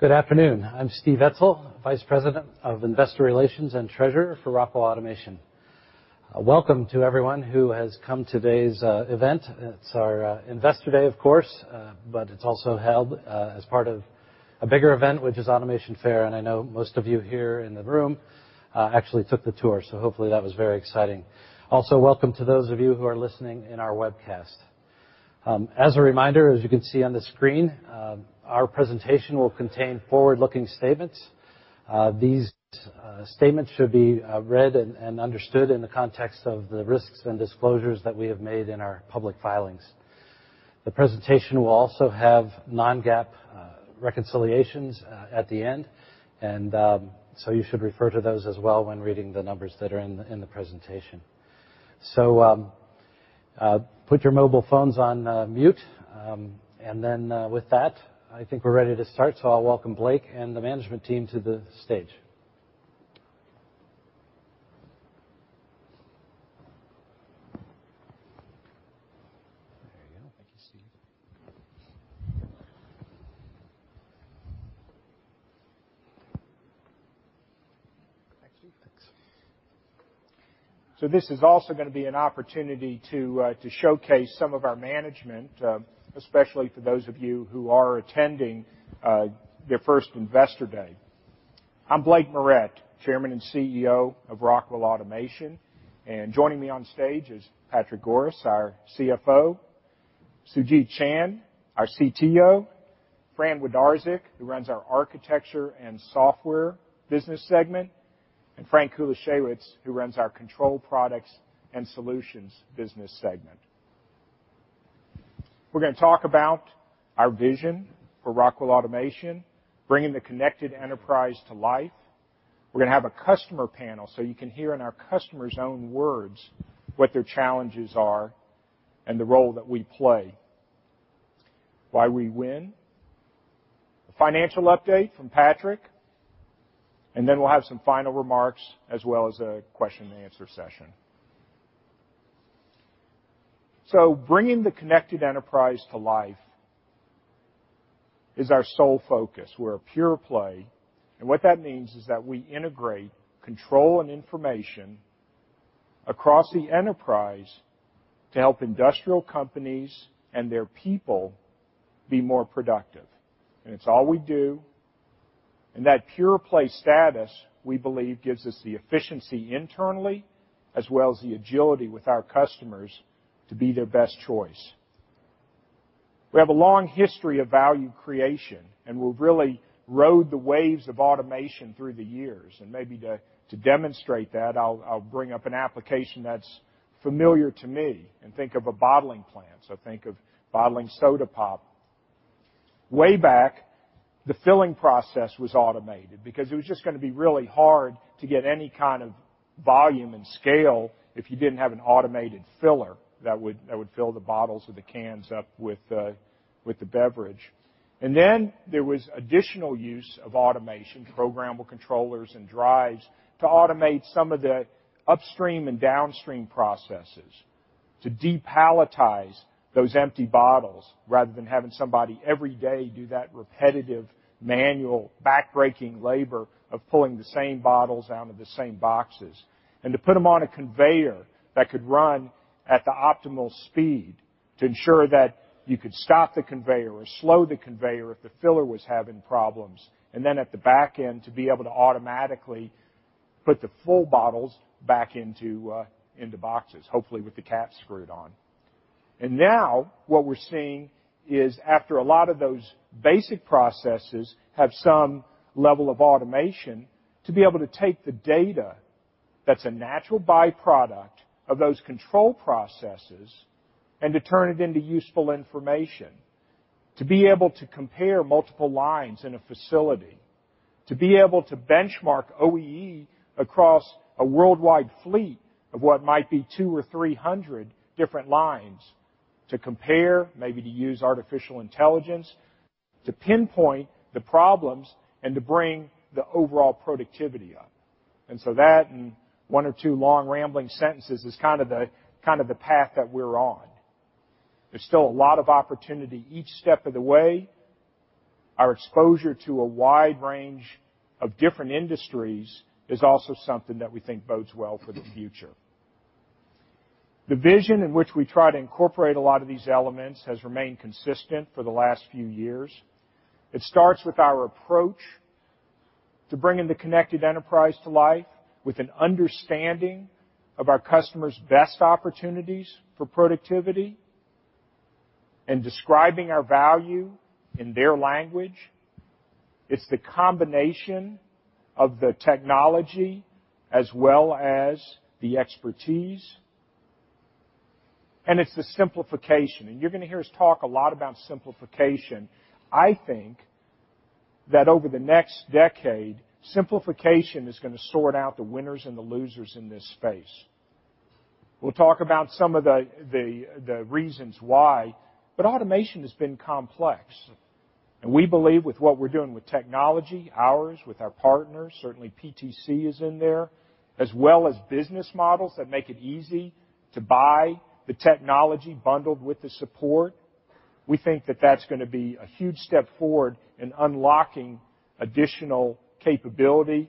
Good afternoon. I'm Steve Etzel, Vice President of Investor Relations and Treasurer for Rockwell Automation. Welcome to everyone who has come to today's event. It's our Investor Day, of course, but it's also held as part of a bigger event, which is Automation Fair. I know most of you here in the room actually took the tour, so hopefully that was very exciting. Also, welcome to those of you who are listening in our webcast. As a reminder, as you can see on the screen, our presentation will contain forward-looking statements. These statements should be read and understood in the context of the risks and disclosures that we have made in our public filings. The presentation will also have non-GAAP reconciliations at the end. You should refer to those as well when reading the numbers that are in the presentation. Put your mobile phones on mute. With that, I think we're ready to start. I'll welcome Blake and the management team to the stage. There you go. Thank you, Steve. Hi, Steve. Thanks. This is also going to be an opportunity to showcase some of our management, especially for those of you who are attending their first Investor Day. I'm Blake Moret, Chairman and CEO of Rockwell Automation. Joining me on stage is Patrick Goris, our CFO, Sujeet Chand, our CTO, Fran Wlodarczyk, who runs our Architecture & Software business segment, and Frank Kulaszewicz, who runs our Control Products & Solutions business segment. We're going to talk about our vision for Rockwell Automation, bringing the connected enterprise to life. We're going to have a customer panel so you can hear in our customers' own words what their challenges are and the role that we play, why we win, a financial update from Patrick. We'll have some final remarks, as well as a question-and-answer session. Bringing the connected enterprise to life is our sole focus. We're a pure play. What that means is that we integrate control and information across the enterprise to help industrial companies and their people be more productive. It's all we do. That pure play status, we believe, gives us the efficiency internally as well as the agility with our customers to be their best choice. We have a long history of value creation. We've really rode the waves of automation through the years. Maybe to demonstrate that, I'll bring up an application that's familiar to me. Think of a bottling plant, think of bottling soda pop. Way back, the filling process was automated because it was just going to be really hard to get any kind of volume and scale if you didn't have an automated filler that would fill the bottles or the cans up with the beverage. There was additional use of automation, programmable controllers and drives, to automate some of the upstream and downstream processes to de-palletize those empty bottles, rather than having somebody every day do that repetitive, manual, back-breaking labor of pulling the same bottles out of the same boxes. To put them on a conveyor that could run at the optimal speed to ensure that you could stop the conveyor or slow the conveyor if the filler was having problems. At the back end, to be able to automatically put the full bottles back into boxes, hopefully with the cap screwed on. Now what we're seeing is after a lot of those basic processes have some level of automation, to be able to take the data that's a natural byproduct of those control processes and to turn it into useful information. To be able to compare multiple lines in a facility. To be able to benchmark OEE across a worldwide fleet of what might be 200 or 300 different lines. To compare, maybe to use artificial intelligence, to pinpoint the problems, to bring the overall productivity up. That, and one or two long rambling sentences, is kind of the path that we're on. There's still a lot of opportunity each step of the way. Our exposure to a wide range of different industries is also something that we think bodes well for the future. The vision in which we try to incorporate a lot of these elements has remained consistent for the last few years. It starts with our approach to bringing the Connected Enterprise to life, with an understanding of our customers' best opportunities for productivity and describing our value in their language. It's the combination of the technology as well as the expertise. It's the simplification. You're going to hear us talk a lot about simplification. I think that over the next decade, simplification is going to sort out the winners and the losers in this space. We'll talk about some of the reasons why. Automation has been complex. We believe with what we're doing with technology, ours, with our partners, certainly PTC is in there, as well as business models that make it easy to buy the technology bundled with the support. We think that that's going to be a huge step forward in unlocking additional capability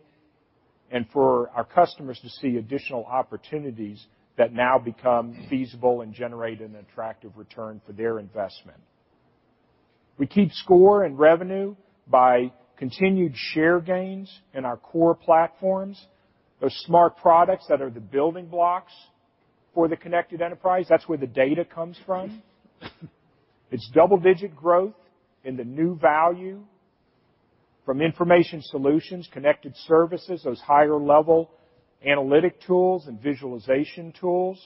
and for our customers to see additional opportunities that now become feasible and generate an attractive return for their investment. We keep score and revenue by continued share gains in our core platforms, those smart products that are the building blocks for the Connected Enterprise. That's where the data comes from. It's double-digit growth in the new value from information solutions, connected services, those higher-level analytic tools and visualization tools.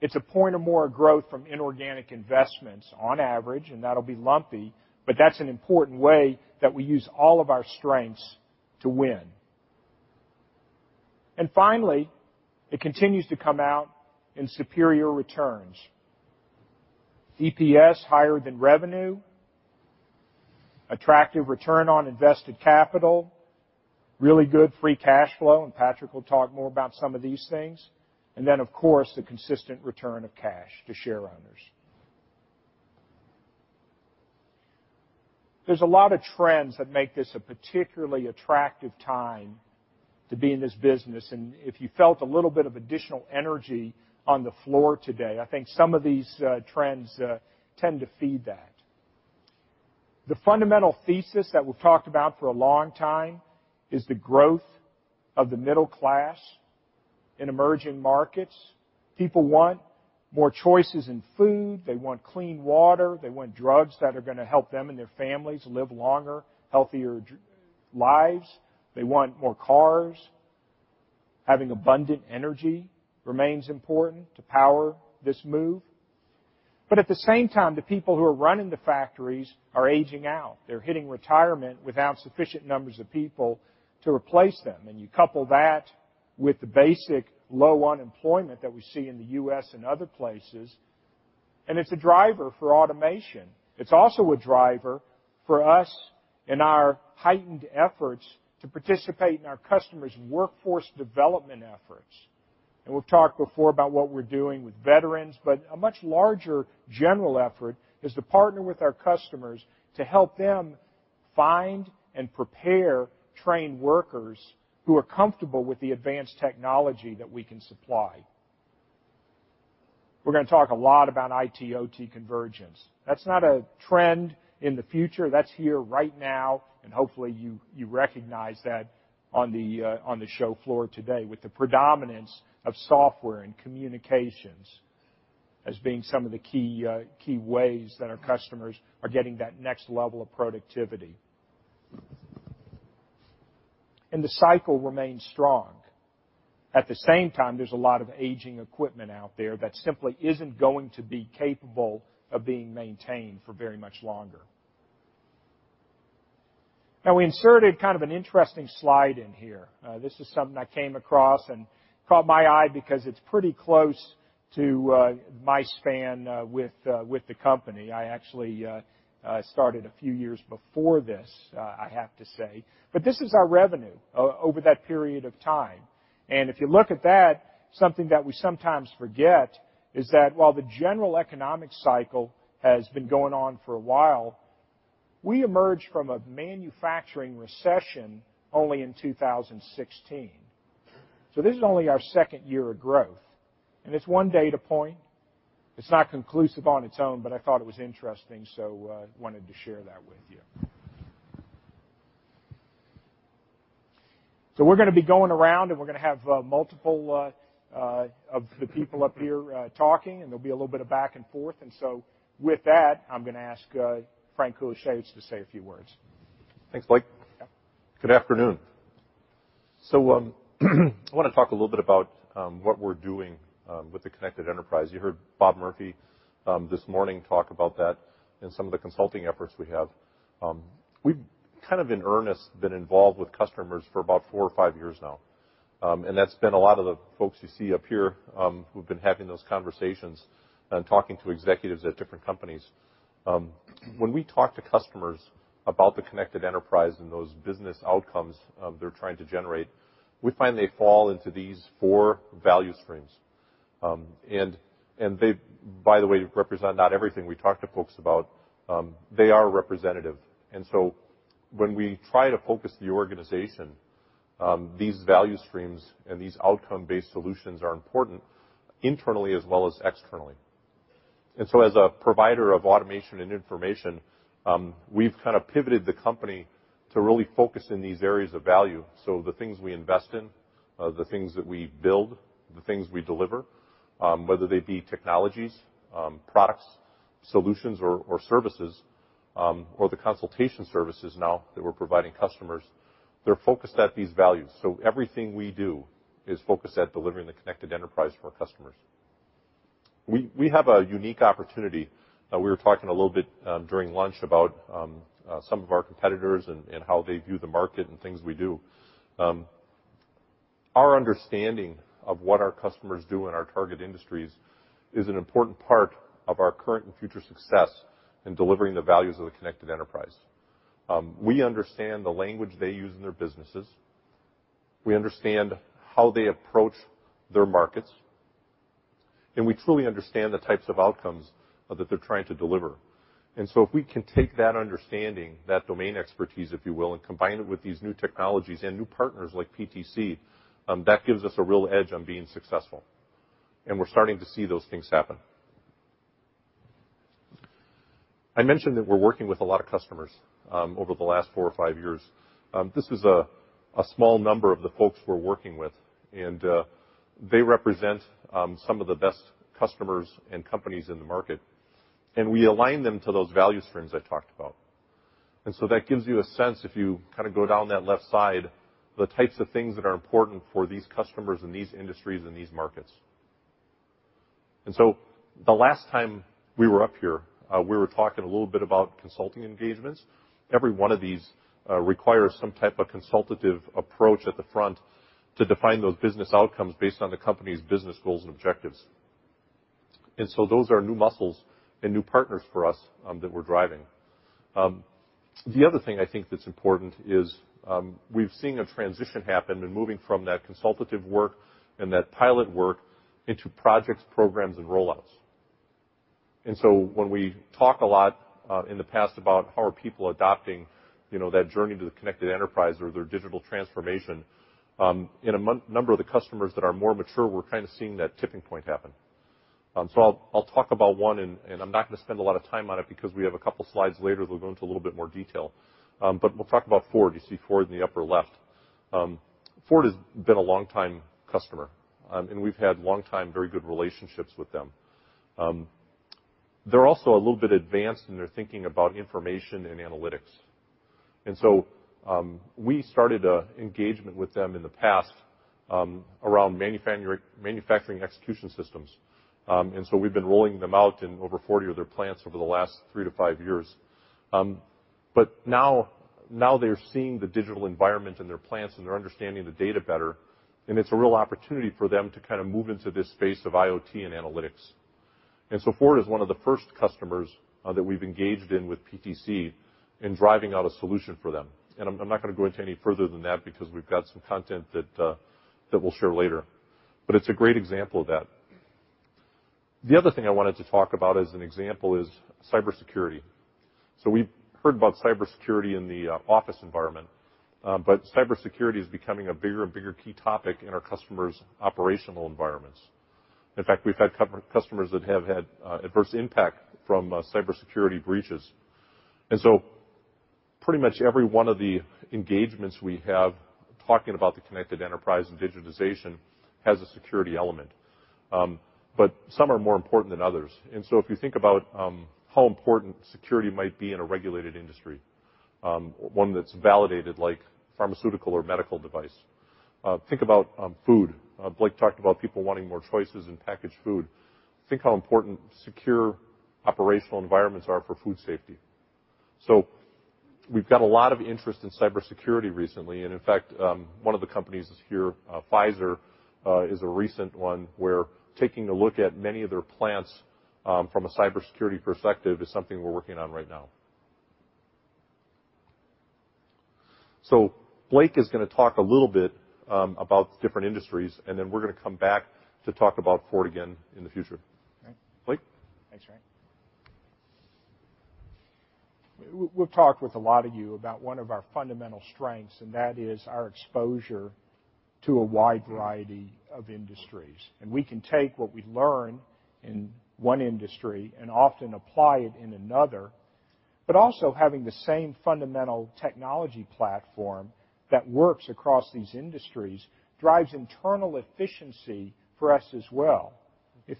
It's a point or more of growth from inorganic investments on average, and that'll be lumpy, but that's an important way that we use all of our strengths to win. Finally, it continues to come out in superior returns. EPS higher than revenue, attractive return on invested capital, really good free cash flow, and Patrick will talk more about some of these things. Of course, the consistent return of cash to share owners. There's a lot of trends that make this a particularly attractive time to be in this business. If you felt a little bit of additional energy on the floor today, I think some of these trends tend to feed that. The fundamental thesis that we've talked about for a long time is the growth of the middle class in emerging markets. People want more choices in food. They want clean water. They want drugs that are going to help them and their families live longer, healthier lives. They want more cars. Having abundant energy remains important to power this move. At the same time, the people who are running the factories are aging out. They're hitting retirement without sufficient numbers of people to replace them. You couple that with the basic low unemployment that we see in the U.S. and other places, and it's a driver for automation. It's also a driver for us in our heightened efforts to participate in our customers' workforce development efforts. We've talked before about what we're doing with veterans, but a much larger general effort is to partner with our customers to help them find and prepare trained workers who are comfortable with the advanced technology that we can supply. We're going to talk a lot about IT/OT convergence. That's not a trend in the future. That's here right now, and hopefully, you recognize that on the show floor today with the predominance of software and communications as being some of the key ways that our customers are getting that next level of productivity. The cycle remains strong. At the same time, there's a lot of aging equipment out there that simply isn't going to be capable of being maintained for very much longer. Now, we inserted kind of an interesting slide in here. This is something I came across and caught my eye because it's pretty close to my span with the company. I actually started a few years before this, I have to say. This is our revenue over that period of time. If you look at that, something that we sometimes forget is that while the general economic cycle has been going on for a while, we emerged from a manufacturing recession only in 2016. This is only our second year of growth, and it's one data point. It's not conclusive on its own, but I thought it was interesting, so wanted to share that with you. We're going to be going around, and we're going to have multiple of the people up here talking, and there'll be a little bit of back and forth. With that, I'm going to ask Frank Kulaszewicz to say a few words. Thanks, Blake. Good afternoon. I want to talk a little bit about what we're doing with the Connected Enterprise. You heard Bob Murphy, this morning, talk about that and some of the consulting efforts we have. We've kind of in earnest been involved with customers for about four or five years now, and that's been a lot of the folks you see up here, who've been having those conversations and talking to executives at different companies. When we talk to customers about the Connected Enterprise and those business outcomes they're trying to generate, we find they fall into these four value streams. They, by the way, represent not everything we talk to folks about. They are representative. When we try to focus the organization, these value streams and these outcome-based solutions are important internally as well as externally. As a provider of automation and information, we've kind of pivoted the company to really focus in these areas of value. The things we invest in, the things that we build, the things we deliver, whether they be technologies, products, solutions or services, or the consultation services now that we're providing customers, they're focused at these values. Everything we do is focused at delivering the Connected Enterprise for our customers. We have a unique opportunity. We were talking a little bit during lunch about some of our competitors and how they view the market and things we do. Our understanding of what our customers do in our target industries is an important part of our current and future success in delivering the values of the Connected Enterprise. We understand the language they use in their businesses. We understand how they approach their markets. We truly understand the types of outcomes that they're trying to deliver. If we can take that understanding, that domain expertise, if you will, and combine it with these new technologies and new partners like PTC, that gives us a real edge on being successful. We're starting to see those things happen. I mentioned that we're working with a lot of customers over the last four or five years. This is a small number of the folks we're working with, and they represent some of the best customers and companies in the market. We align them to those value streams I talked about. That gives you a sense, if you go down that left side, the types of things that are important for these customers in these industries and these markets. The last time we were up here, we were talking a little bit about consulting engagements. Every one of these requires some type of consultative approach at the front to define those business outcomes based on the company's business goals and objectives. Those are new muscles and new partners for us that we're driving. The other thing I think that's important is, we've seen a transition happen in moving from that consultative work and that pilot work into projects, programs, and roll-outs. When we talk a lot in the past about how are people adopting that journey to the Connected Enterprise or their digital transformation, in a number of the customers that are more mature, we're kind of seeing that tipping point happen. I'll talk about one and I'm not going to spend a lot of time on it because we have a couple slides later that'll go into a little bit more detail. We'll talk about Ford. You see Ford in the upper left. Ford has been a long-time customer, and we've had long-time, very good relationships with them. They're also a little bit advanced in their thinking about information and analytics. We started an engagement with them in the past around manufacturing execution systems. We've been rolling them out in over 40 of their plants over the last three to five years. Now they're seeing the digital environment in their plants, and they're understanding the data better, and it's a real opportunity for them to kind of move into this space of IoT and analytics. Ford is one of the first customers that we've engaged in with PTC in driving out a solution for them. I'm not going into any further than that because we've got some content that we'll share later. It's a great example of that. The other thing I wanted to talk about as an example is cybersecurity. We've heard about cybersecurity in the office environment, but cybersecurity is becoming a bigger and bigger key topic in our customers' operational environments. In fact, we've had customers that have had adverse impact from cybersecurity breaches. Pretty much every one of the engagements we have talking about the Connected Enterprise and digitization has a security element. Some are more important than others. If you think about how important security might be in a regulated industry, one that's validated like pharmaceutical or medical device. Think about food. Blake talked about people wanting more choices in packaged food. Think how important secure operational environments are for food safety. We've got a lot of interest in cybersecurity recently, and in fact, one of the companies is here. Pfizer is a recent one where taking a look at many of their plants from a cybersecurity perspective is something we're working on right now. Blake is going to talk a little bit about different industries, and then we're going to come back to talk about Ford again in the future. Blake? Thanks, Frank. We've talked with a lot of you about one of our fundamental strengths, that is our exposure to a wide variety of industries. We can take what we learn in one industry and often apply it in another. Also having the same fundamental technology platform that works across these industries drives internal efficiency for us as well.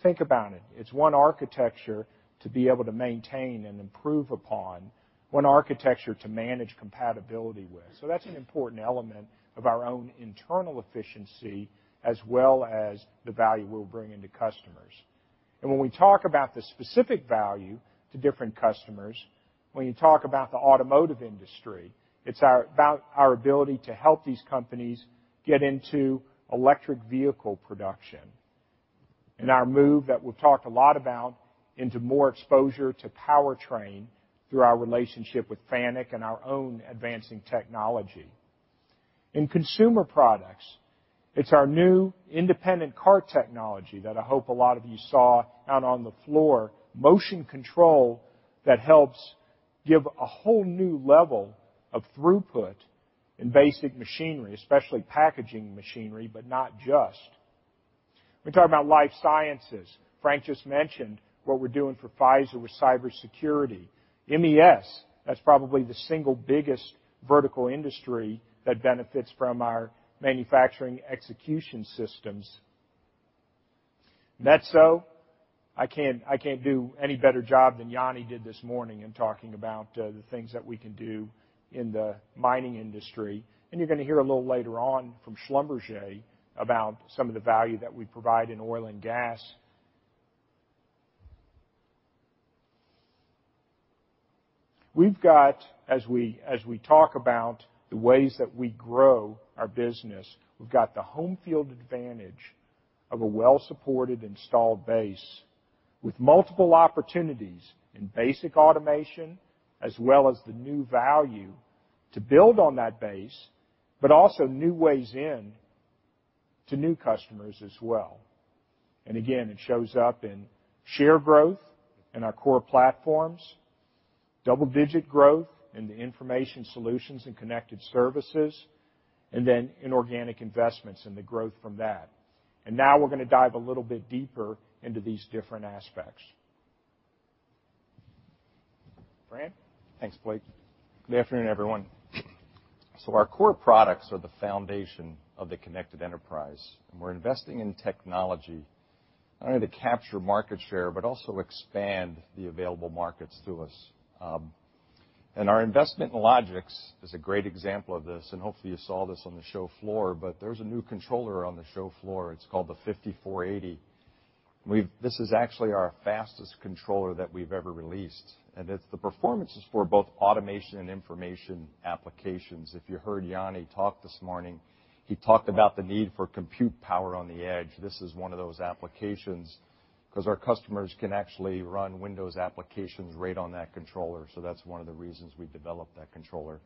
Think about it. It's one architecture to be able to maintain and improve upon, one architecture to manage compatibility with. That's an important element of our own internal efficiency as well as the value we're bringing to customers. When we talk about the specific value to different customers, when you talk about the automotive industry, it's about our ability to help these companies get into electric vehicle production. In our move, that we've talked a lot about, into more exposure to powertrain through our relationship with FANUC and our own advancing technology. In consumer products, it's our new independent cart technology that I hope a lot of you saw out on the floor. Motion control that helps give a whole new level of throughput in basic machinery, especially packaging machinery, but not just. We talk about life sciences. Frank just mentioned what we're doing for Pfizer with cybersecurity. MES, that's probably the single biggest vertical industry that benefits from our manufacturing execution systems. Metso, I can't do any better job than Yani did this morning in talking about the things that we can do in the mining industry. You're going to hear a little later on from Schlumberger about some of the value that we provide in oil and gas. We've got, as we talk about the ways that we grow our business, we've got the home field advantage of a well-supported installed base. With multiple opportunities in basic automation, as well as the new value to build on that base, also new ways in, to new customers as well. Again, it shows up in share growth in our core platforms, double-digit growth in the information solutions and connected services, then inorganic investments and the growth from that. Now we're going to dive a little bit deeper into these different aspects. Fran? Thanks, Blake. Our core products are the foundation of the Connected Enterprise, and we're investing in technology not only to capture market share, but also expand the available markets to us. Our investment in Logix is a great example of this, and hopefully you saw this on the show floor, but there's a new controller on the show floor. It's called the 5480. This is actually our fastest controller that we've ever released, and the performance is for both automation and information applications. If you heard Yani talk this morning, he talked about the need for compute power on the edge. This is one of those applications, because our customers can actually run Windows applications right on that controller. That's one of the reasons we developed that controller.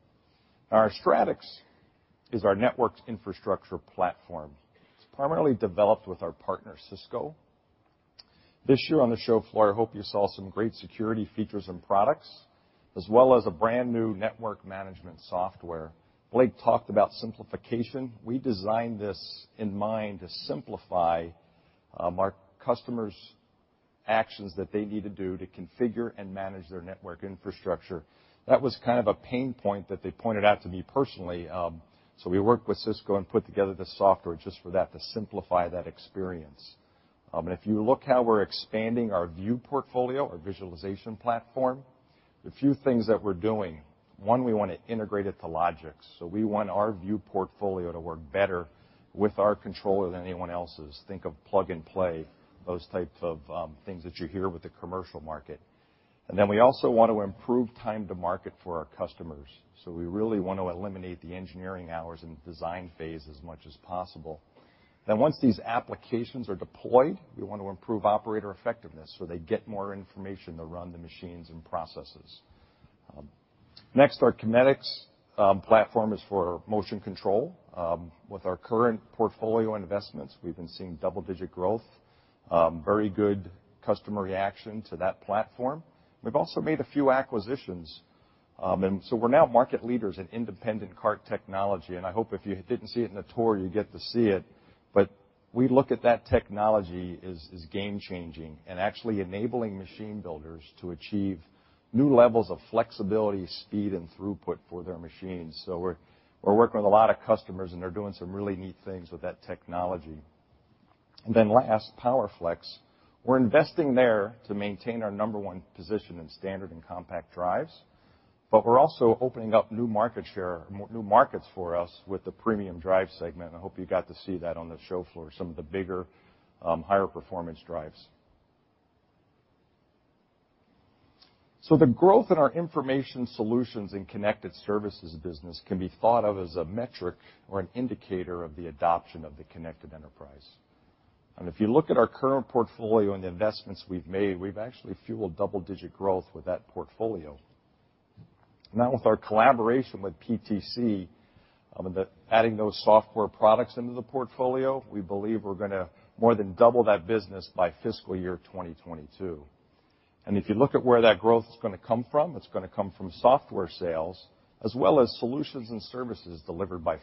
Our Stratix is our networks infrastructure platform. It's primarily developed with our partner, Cisco. This year on the show floor, I hope you saw some great security features and products, as well as a brand-new network management software. Blake talked about simplification. We designed this in mind to simplify our customers' actions that they need to do to configure and manage their network infrastructure. That was kind of a pain point that they pointed out to me personally, so we worked with Cisco and put together the software just for that, to simplify that experience. If you look how we're expanding our view portfolio, our visualization platform, the few things that we're doing, one, we want to integrate it to Logix. We want our view portfolio to work better with our controller than anyone else's. Think of plug and play, those types of things that you hear with the commercial market. We also want to improve time to market for our customers. We really want to eliminate the engineering hours and design phase as much as possible. Once these applications are deployed, we want to improve operator effectiveness so they get more information to run the machines and processes. Next, our Kinetix platform is for motion control. With our current portfolio investments, we've been seeing double-digit growth, very good customer reaction to that platform. We've also made a few acquisitions, and we're now market leaders in independent cart technology, and I hope if you didn't see it in the tour, you get to see it. We look at that technology as game-changing and actually enabling machine builders to achieve new levels of flexibility, speed, and throughput for their machines. We're working with a lot of customers, and they're doing some really neat things with that technology. Last, PowerFlex. We're investing there to maintain our number one position in standard and compact drives, but we're also opening up new markets for us with the premium drive segment. I hope you got to see that on the show floor, some of the bigger, higher-performance drives. The growth in our information solutions and connected services business can be thought of as a metric or an indicator of the adoption of the Connected Enterprise. If you look at our current portfolio and the investments we've made, we've actually fueled double-digit growth with that portfolio. Now with our collaboration with PTC, adding those software products into the portfolio, we believe we're going to more than double that business by fiscal year 2022. If you look at where that growth is going to come from, it's going to come from software sales as well as solutions and services delivered by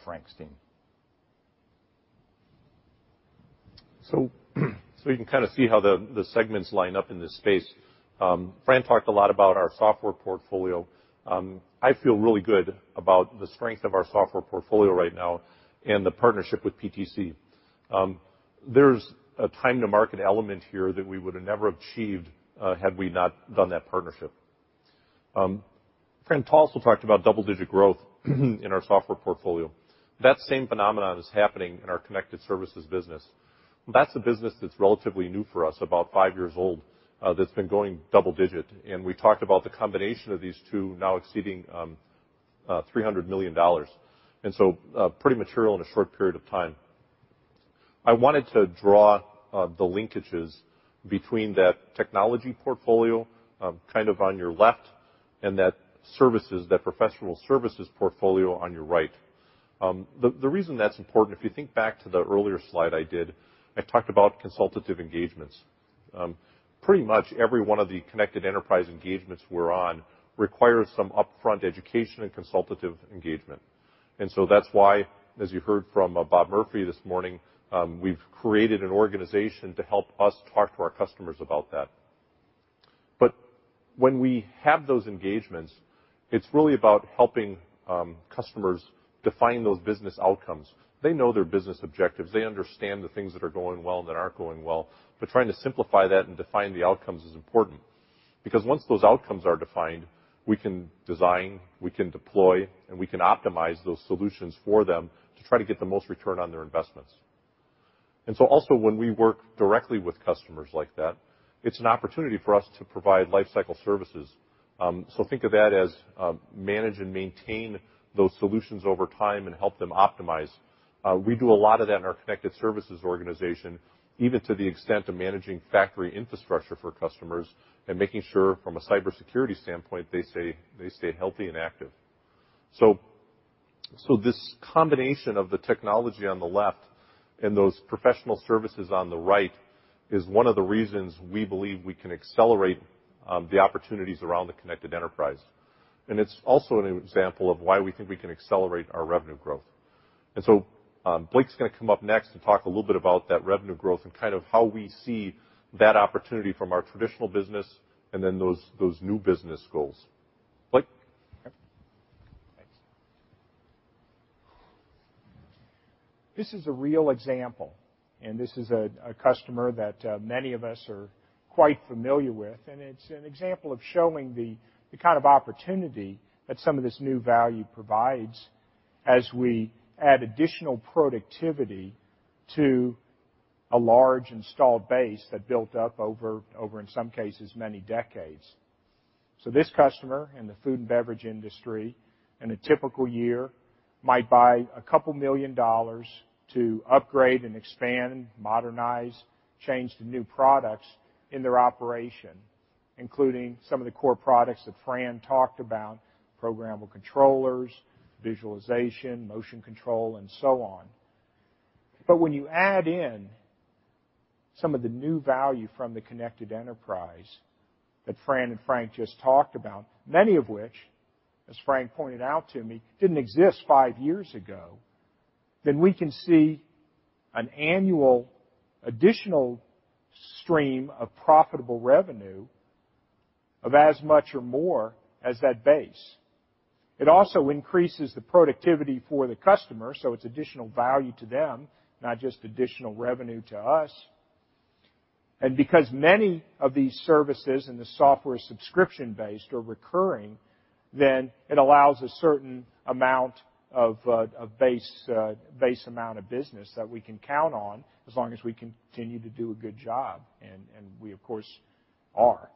Frank's team. You can kind of see how the segments line up in this space. Frank talked a lot about our software portfolio. I feel really good about the strength of our software portfolio right now and the partnership with PTC. There's a time-to-market element here that we would have never achieved had we not done that partnership. Fran also talked about double-digit growth in our software portfolio. That same phenomenon is happening in our connected services business. That's a business that's relatively new for us, about five years old, that's been going double-digit, and we talked about the combination of these two now exceeding $300 million. Pretty material in a short period of time. I wanted to draw the linkages between that technology portfolio kind of on your left and that services, that professional services portfolio on your right. The reason that's important, if you think back to the earlier slide I did, I talked about consultative engagements. Pretty much every one of the Connected Enterprise engagements we're on requires some upfront education and consultative engagement. That's why, as you heard from Bob Murphy this morning, we've created an organization to help us talk to our customers about that. When we have those engagements, it's really about helping customers define those business outcomes. They know their business objectives. They understand the things that are going well and that aren't going well. Trying to simplify that and define the outcomes is important, because once those outcomes are defined, we can design, we can deploy, and we can optimize those solutions for them to try to get the most return on their investments. Also when we work directly with customers like that, it's an opportunity for us to provide life cycle services Think of that as manage and maintain those solutions over time and help them optimize. We do a lot of that in our connected services organization, even to the extent of managing factory infrastructure for customers and making sure from a cybersecurity standpoint, they stay healthy and active. This combination of the technology on the left and those professional services on the right is one of the reasons we believe we can accelerate the opportunities around the Connected Enterprise. It's also an example of why we think we can accelerate our revenue growth. Blake's going to come up next and talk a little bit about that revenue growth and kind of how we see that opportunity from our traditional business and then those new business goals. Blake? Okay. Thanks. This is a real example, and this is a customer that many of us are quite familiar with, and it's an example of showing the kind of opportunity that some of this new value provides as we add additional productivity to a large installed base that built up over, in some cases, many decades. This customer in the food and beverage industry in a typical year might buy a couple million dollars to upgrade and expand, modernize, change to new products in their operation, including some of the core products that Fran talked about, programmable controllers, visualization, motion control, and so on. When you add in some of the new value from the Connected Enterprise that Fran and Frank just talked about, many of which, as Frank pointed out to me, didn't exist five years ago, then we can see an annual additional stream of profitable revenue of as much or more as that base. It also increases the productivity for the customer, so it's additional value to them, not just additional revenue to us. Because many of these services and the software subscription-based are recurring, then it allows a certain amount of base amount of business that we can count on as long as we continue to do a good job, and we of course are.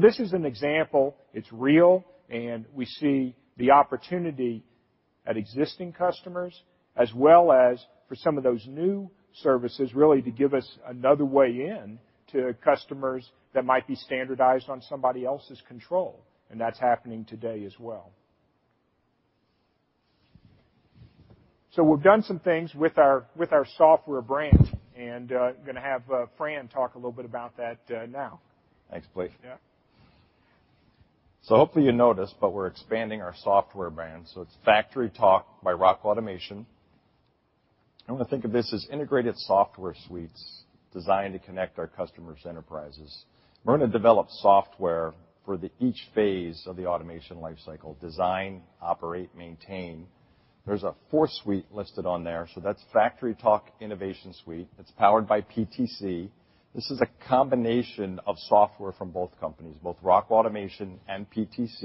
This is an example. It's real, and we see the opportunity at existing customers as well as for some of those new services really to give us another way in to customers that might be standardized on somebody else's control, and that's happening today as well. We've done some things with our software brand, and I'm going to have Fran talk a little bit about that now. Thanks, Blake. Yeah. Hopefully you noticed, we're expanding our software brand. It's FactoryTalk by Rockwell Automation. I want to think of this as integrated software suites designed to connect our customers' enterprises. We're going to develop software for each phase of the automation life cycle: design, operate, maintain. There's a fourth suite listed on there, that's FactoryTalk InnovationSuite. It's powered by PTC. This is a combination of software from both companies, both Rockwell Automation and PTC.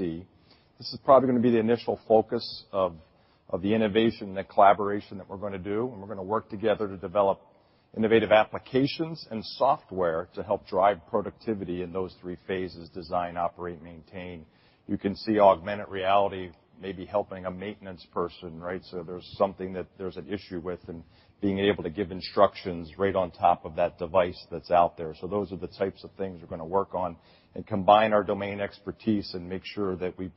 This is probably going to be the initial focus of the innovation and the collaboration that we're going to do, and we're going to work together to develop innovative applications and software to help drive productivity in those three phases: design, operate, maintain. You can see augmented reality maybe helping a maintenance person, right? There's something that there's an issue with, and being able to give instructions right on top of that device that's out there. Those are the types of things we're going to work on and combine our domain expertise and make sure that we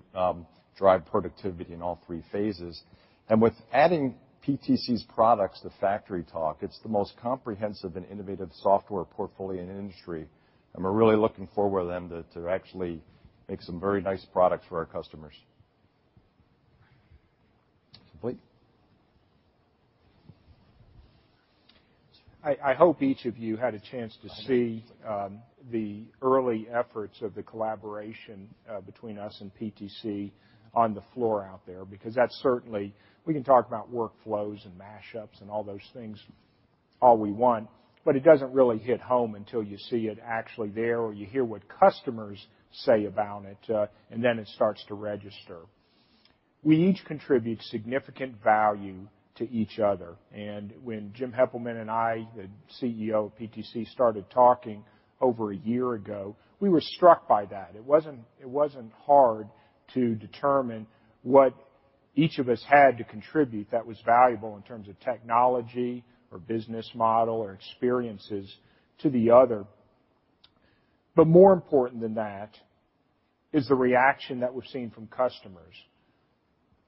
drive productivity in all three phases. With adding PTC's products to FactoryTalk, it's the most comprehensive and innovative software portfolio in the industry, and we're really looking forward with them to actually make some very nice products for our customers. Blake. I hope each of you had a chance to see the early efforts of the collaboration between us and PTC on the floor out there. We can talk about workflows and mashups and all those things all we want, but it doesn't really hit home until you see it actually there, or you hear what customers say about it, and then it starts to register. We each contribute significant value to each other, and when Jim Heppelmann and I, the CEO of PTC, started talking over a year ago, we were struck by that. It wasn't hard to determine what each of us had to contribute that was valuable in terms of technology or business model or experiences to the other. More important than that is the reaction that we've seen from customers.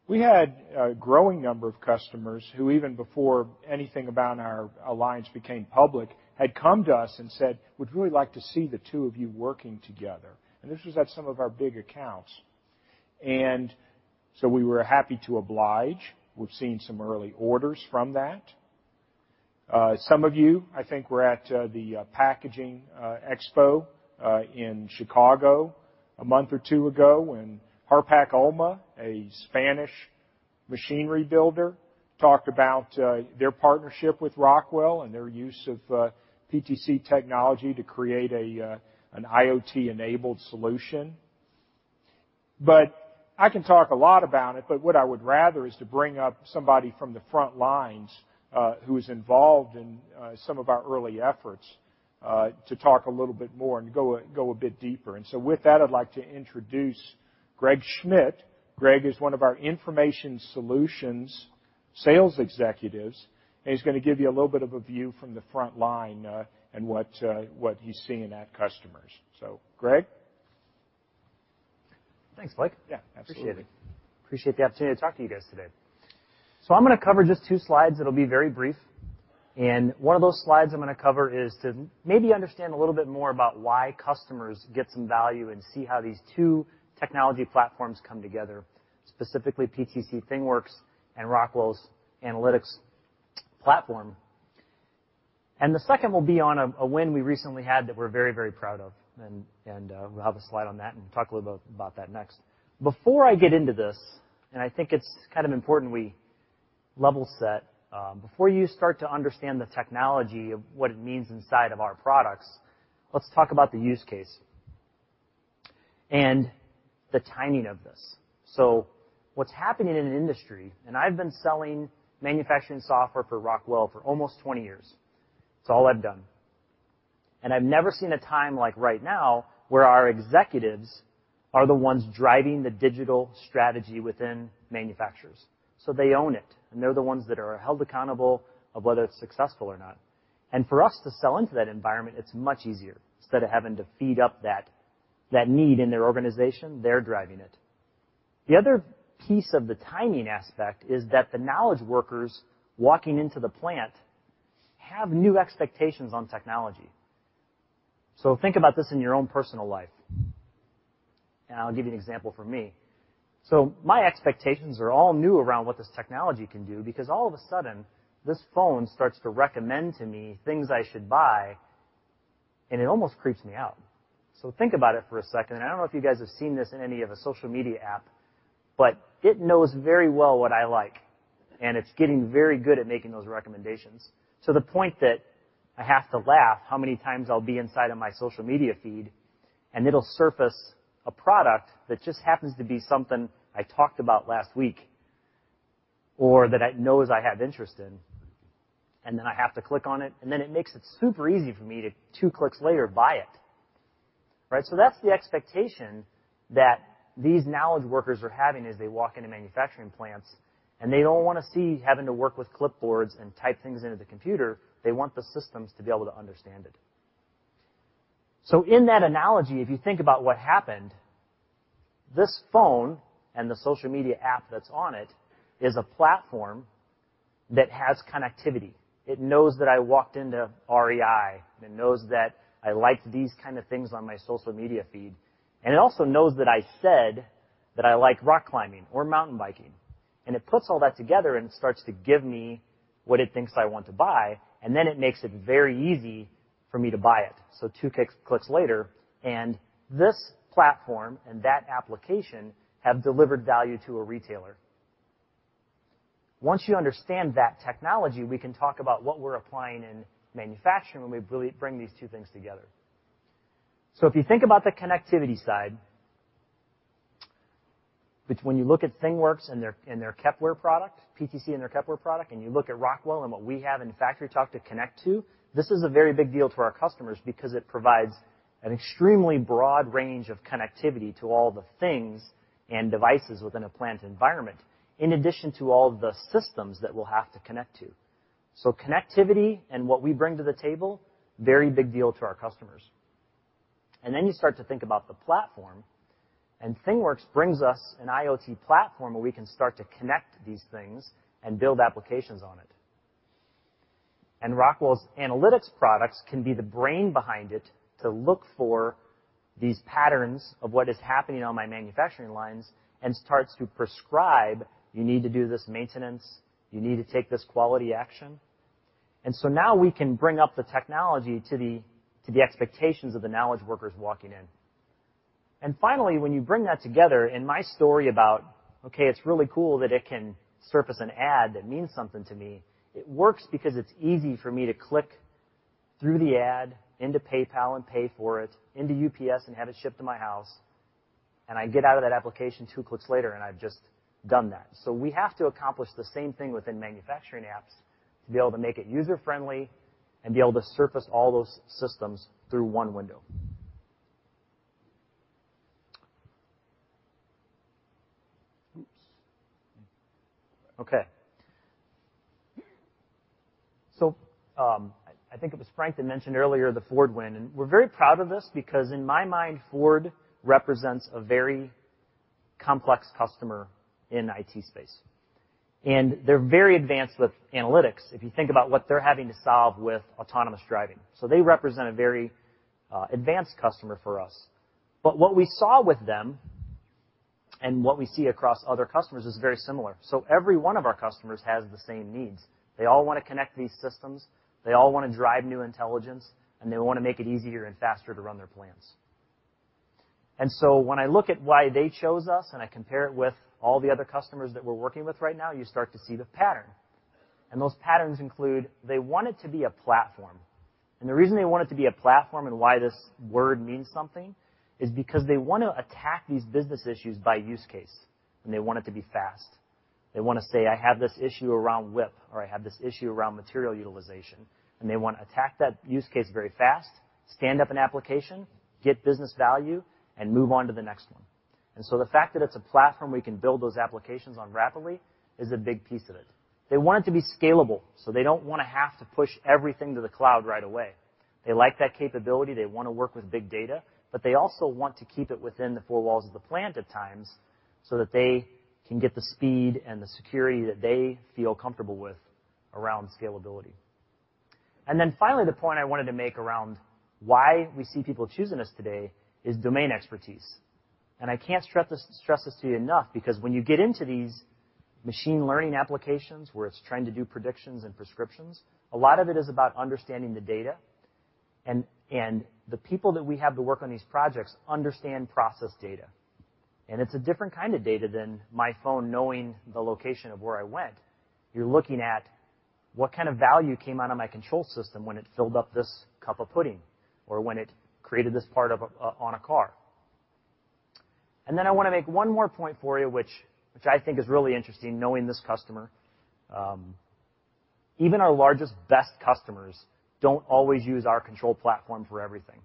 We had a growing number of customers who, even before anything about our alliance became public, had come to us and said, "We'd really like to see the two of you working together." This was at some of our big accounts. We were happy to oblige. We've seen some early orders from that. Some of you, I think, were at the packaging expo in Chicago a month or two ago when Harpak-ULMA, a Spanish machinery builder, talked about their partnership with Rockwell and their use of PTC technology to create an IoT-enabled solution. I can talk a lot about it, but what I would rather is to bring up somebody from the front lines who is involved in some of our early efforts to talk a little bit more and go a bit deeper. With that, I'd like to introduce Greg Schmidt. Greg is one of our information solutions sales executives, and he's going to give you a little bit of a view from the front line on what he's seeing at customers. Greg? Thanks, Blake. Yeah, absolutely. Appreciate it. Appreciate the opportunity to talk to you guys today. I'm going to cover just two slides. It'll be very brief. One of those slides I'm going to cover is to maybe understand a little bit more about why customers get some value and see how these two technology platforms come together, specifically PTC ThingWorx and Rockwell's analytics platform. The second will be on a win we recently had that we're very proud of, and we'll have a slide on that, and we'll talk a little about that next. Before I get into this, I think it's kind of important we level set. Before you start to understand the technology of what it means inside of our products, let's talk about the use case and the timing of this. What's happening in an industry, and I've been selling manufacturing software for Rockwell for almost 20 years. It's all I've done. I've never seen a time like right now where our executives are the ones driving the digital strategy within manufacturers. They own it, and they're the ones that are held accountable of whether it's successful or not. For us to sell into that environment, it's much easier. Instead of having to feed up that need in their organization, they're driving it. The other piece of the timing aspect is that the knowledge workers walking into the plant have new expectations on technology. Think about this in your own personal life, and I'll give you an example from me. My expectations are all new around what this technology can do because all of a sudden, this phone starts to recommend to me things I should buy, and it almost creeps me out. Think about it for a second. I don't know if you guys have seen this in any of a social media app, but it knows very well what I like, and it's getting very good at making those recommendations to the point that I have to laugh how many times I'll be inside of my social media feed, and it'll surface a product that just happens to be something I talked about last week or that it knows I have interest in, and then I have to click on it, and then it makes it super easy for me to, two clicks later, buy it. Right. That's the expectation that these knowledge workers are having as they walk into manufacturing plants, and they don't want to see having to work with clipboards and type things into the computer. They want the systems to be able to understand it. In that analogy, if you think about what happened, this phone and the social media app that's on it is a platform that has connectivity. It knows that I walked into REI, and it knows that I liked these kind of things on my social media feed. It also knows that I said that I like rock climbing or mountain biking, and it puts all that together and starts to give me what it thinks I want to buy, and then it makes it very easy for me to buy it. Two clicks later, and this platform and that application have delivered value to a retailer. Once you understand that technology, we can talk about what we're applying in manufacturing when we bring these two things together. If you think about the connectivity side, which when you look at ThingWorx and their Kepware product, PTC and their Kepware product, and you look at Rockwell and what we have in FactoryTalk to connect to, this is a very big deal to our customers because it provides an extremely broad range of connectivity to all the things and devices within a plant environment, in addition to all the systems that we'll have to connect to. Connectivity and what we bring to the table, very big deal to our customers. You start to think about the platform, ThingWorx brings us an IoT platform where we can start to connect these things and build applications on it. Rockwell's analytics products can be the brain behind it to look for these patterns of what is happening on my manufacturing lines and starts to prescribe, "You need to do this maintenance. You need to take this quality action." Now we can bring up the technology to the expectations of the knowledge workers walking in. Finally, when you bring that together in my story about, okay, it's really cool that it can surface an ad that means something to me. It works because it's easy for me to click through the ad into PayPal and pay for it, into UPS and have it shipped to my house, and I get out of that application two clicks later, and I've just done that. We have to accomplish the same thing within manufacturing apps to be able to make it user-friendly and be able to surface all those systems through one window. Oops. Okay. I think it was Frank that mentioned earlier the Ford win, and we're very proud of this because, in my mind, Ford represents a very complex customer in the IT space. They're very advanced with analytics if you think about what they're having to solve with autonomous driving. They represent a very advanced customer for us. What we saw with them and what we see across other customers is very similar. Every one of our customers has the same needs. They all want to connect these systems, they all want to drive new intelligence, and they want to make it easier and faster to run their plants. When I look at why they chose us and I compare it with all the other customers that we're working with right now, you start to see the pattern. Those patterns include, they want it to be a platform. The reason they want it to be a platform and why this word means something is because they want to attack these business issues by use case, and they want it to be fast. They want to say, "I have this issue around whip," or, "I have this issue around material utilization." They want to attack that use case very fast, stand up an application, get business value, and move on to the next one. The fact that it's a platform we can build those applications on rapidly is a big piece of it. They want it to be scalable, so they don't want to have to push everything to the cloud right away. They like that capability. They want to work with big data, but they also want to keep it within the four walls of the plant at times, so that they can get the speed and the security that they feel comfortable with around scalability. Finally, the point I wanted to make around why we see people choosing us today is domain expertise. I can't stress this to you enough, because when you get into these machine learning applications where it's trying to do predictions and prescriptions, a lot of it is about understanding the data. The people that we have to work on these projects understand process data. It's a different kind of data than my phone knowing the location of where I went. You're looking at what kind of value came out of my control system when it filled up this cup of pudding, or when it created this part on a car. I want to make one more point for you, which I think is really interesting, knowing this customer. Even our largest, best customers don't always use our control platform for everything.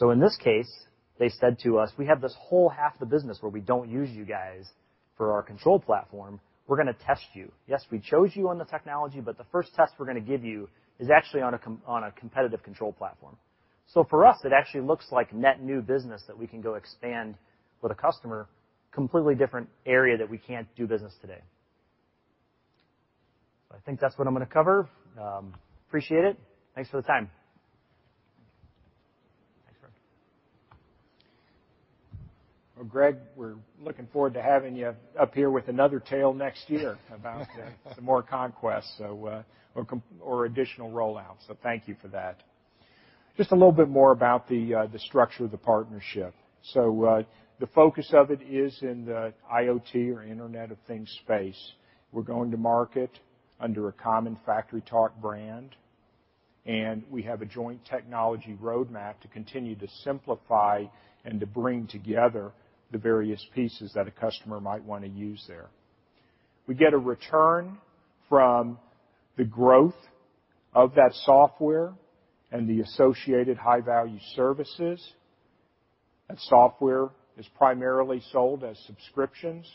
In this case, they said to us, "We have this whole half of the business where we don't use you guys for our control platform. We're going to test you. Yes, we chose you on the technology, but the first test we're going to give you is actually on a competitive control platform." For us, it actually looks like net new business that we can go expand with a customer, completely different area that we can't do business today. I think that's what I'm going to cover. Appreciate it. Thanks for the time. Thanks, Greg. Well, Greg, we're looking forward to having you up here with another tale next year about some more conquests or additional rollouts, so thank you for that. Just a little bit more about the structure of the partnership. The focus of it is in the IoT or Internet of Things space. We're going to market under a common FactoryTalk brand, and we have a joint technology roadmap to continue to simplify and to bring together the various pieces that a customer might want to use there. We get a return from the growth of that software and the associated high-value services. That software is primarily sold as subscriptions.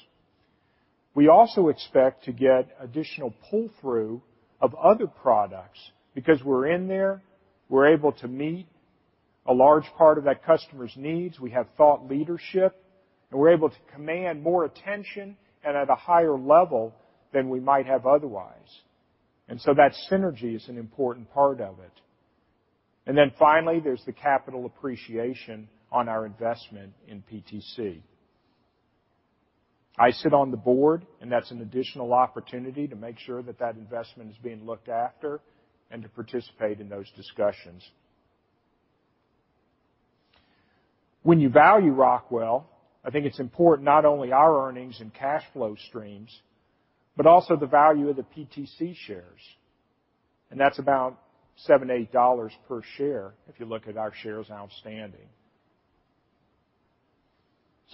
We also expect to get additional pull-through of other products because we're in there, we're able to meet a large part of that customer's needs, we have thought leadership, and we're able to command more attention and at a higher level than we might have otherwise. That synergy is an important part of it. Finally, there's the capital appreciation on our investment in PTC. I sit on the board, and that's an additional opportunity to make sure that that investment is being looked after and to participate in those discussions. When you value Rockwell, I think it's important not only our earnings and cash flow streams, but also the value of the PTC shares. That's about $78 per share if you look at our shares outstanding.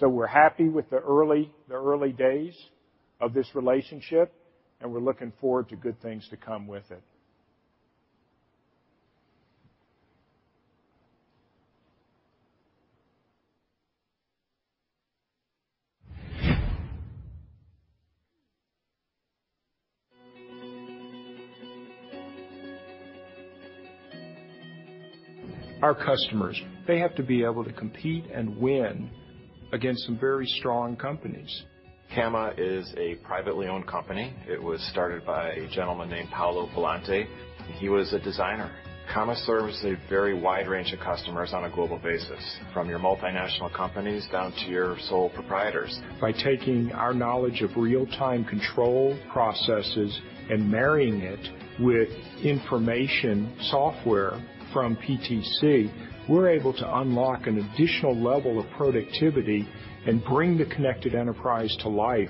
We're happy with the early days of this relationship, and we're looking forward to good things to come with it. Our customers, they have to be able to compete and win against some very strong companies. CAMA is a privately owned company. It was started by a gentleman named Paolo Volante. He was a designer. CAMA serves a very wide range of customers on a global basis, from your multinational companies down to your sole proprietors. By taking our knowledge of real-time control processes and marrying it with information software from PTC, we're able to unlock an additional level of productivity and bring the connected enterprise to life.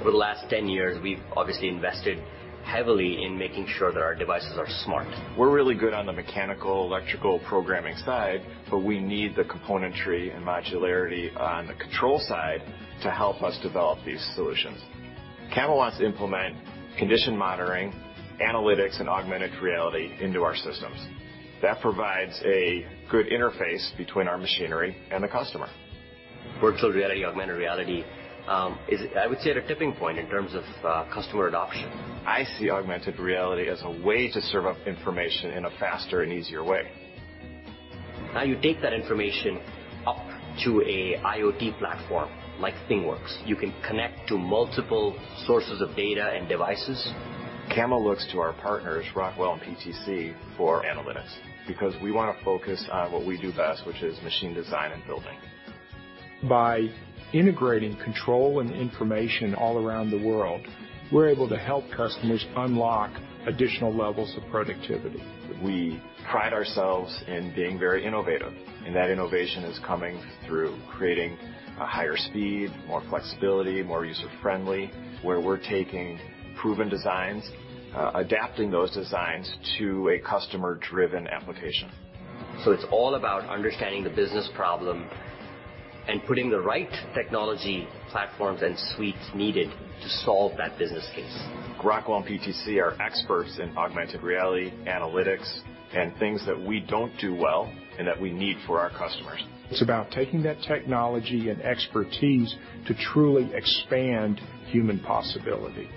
Over the last 10 years, we've obviously invested heavily in making sure that our devices are smart. We're really good on the mechanical, electrical programming side, we need the componentry and modularity on the control side to help us develop these solutions. CAMA wants to implement condition monitoring, analytics, and augmented reality into our systems. That provides a good interface between our machinery and the customer. Virtual reality, augmented reality, I would say at a tipping point in terms of customer adoption. I see augmented reality as a way to serve up information in a faster and easier way. You take that information up to a IoT platform like ThingWorx. You can connect to multiple sources of data and devices. CAMA looks to our partners, Rockwell and PTC, for analytics because we want to focus on what we do best, which is machine design and building. By integrating control and information all around the world, we're able to help customers unlock additional levels of productivity. We pride ourselves in being very innovative, and that innovation is coming through creating a higher speed, more flexibility, more user friendly, where we're taking proven designs, adapting those designs to a customer-driven application. It's all about understanding the business problem and putting the right technology platforms and suites needed to solve that business case. Rockwell and PTC are experts in augmented reality, analytics, and things that we don't do well and that we need for our customers. It's about taking that technology and expertise to truly expand human possibility.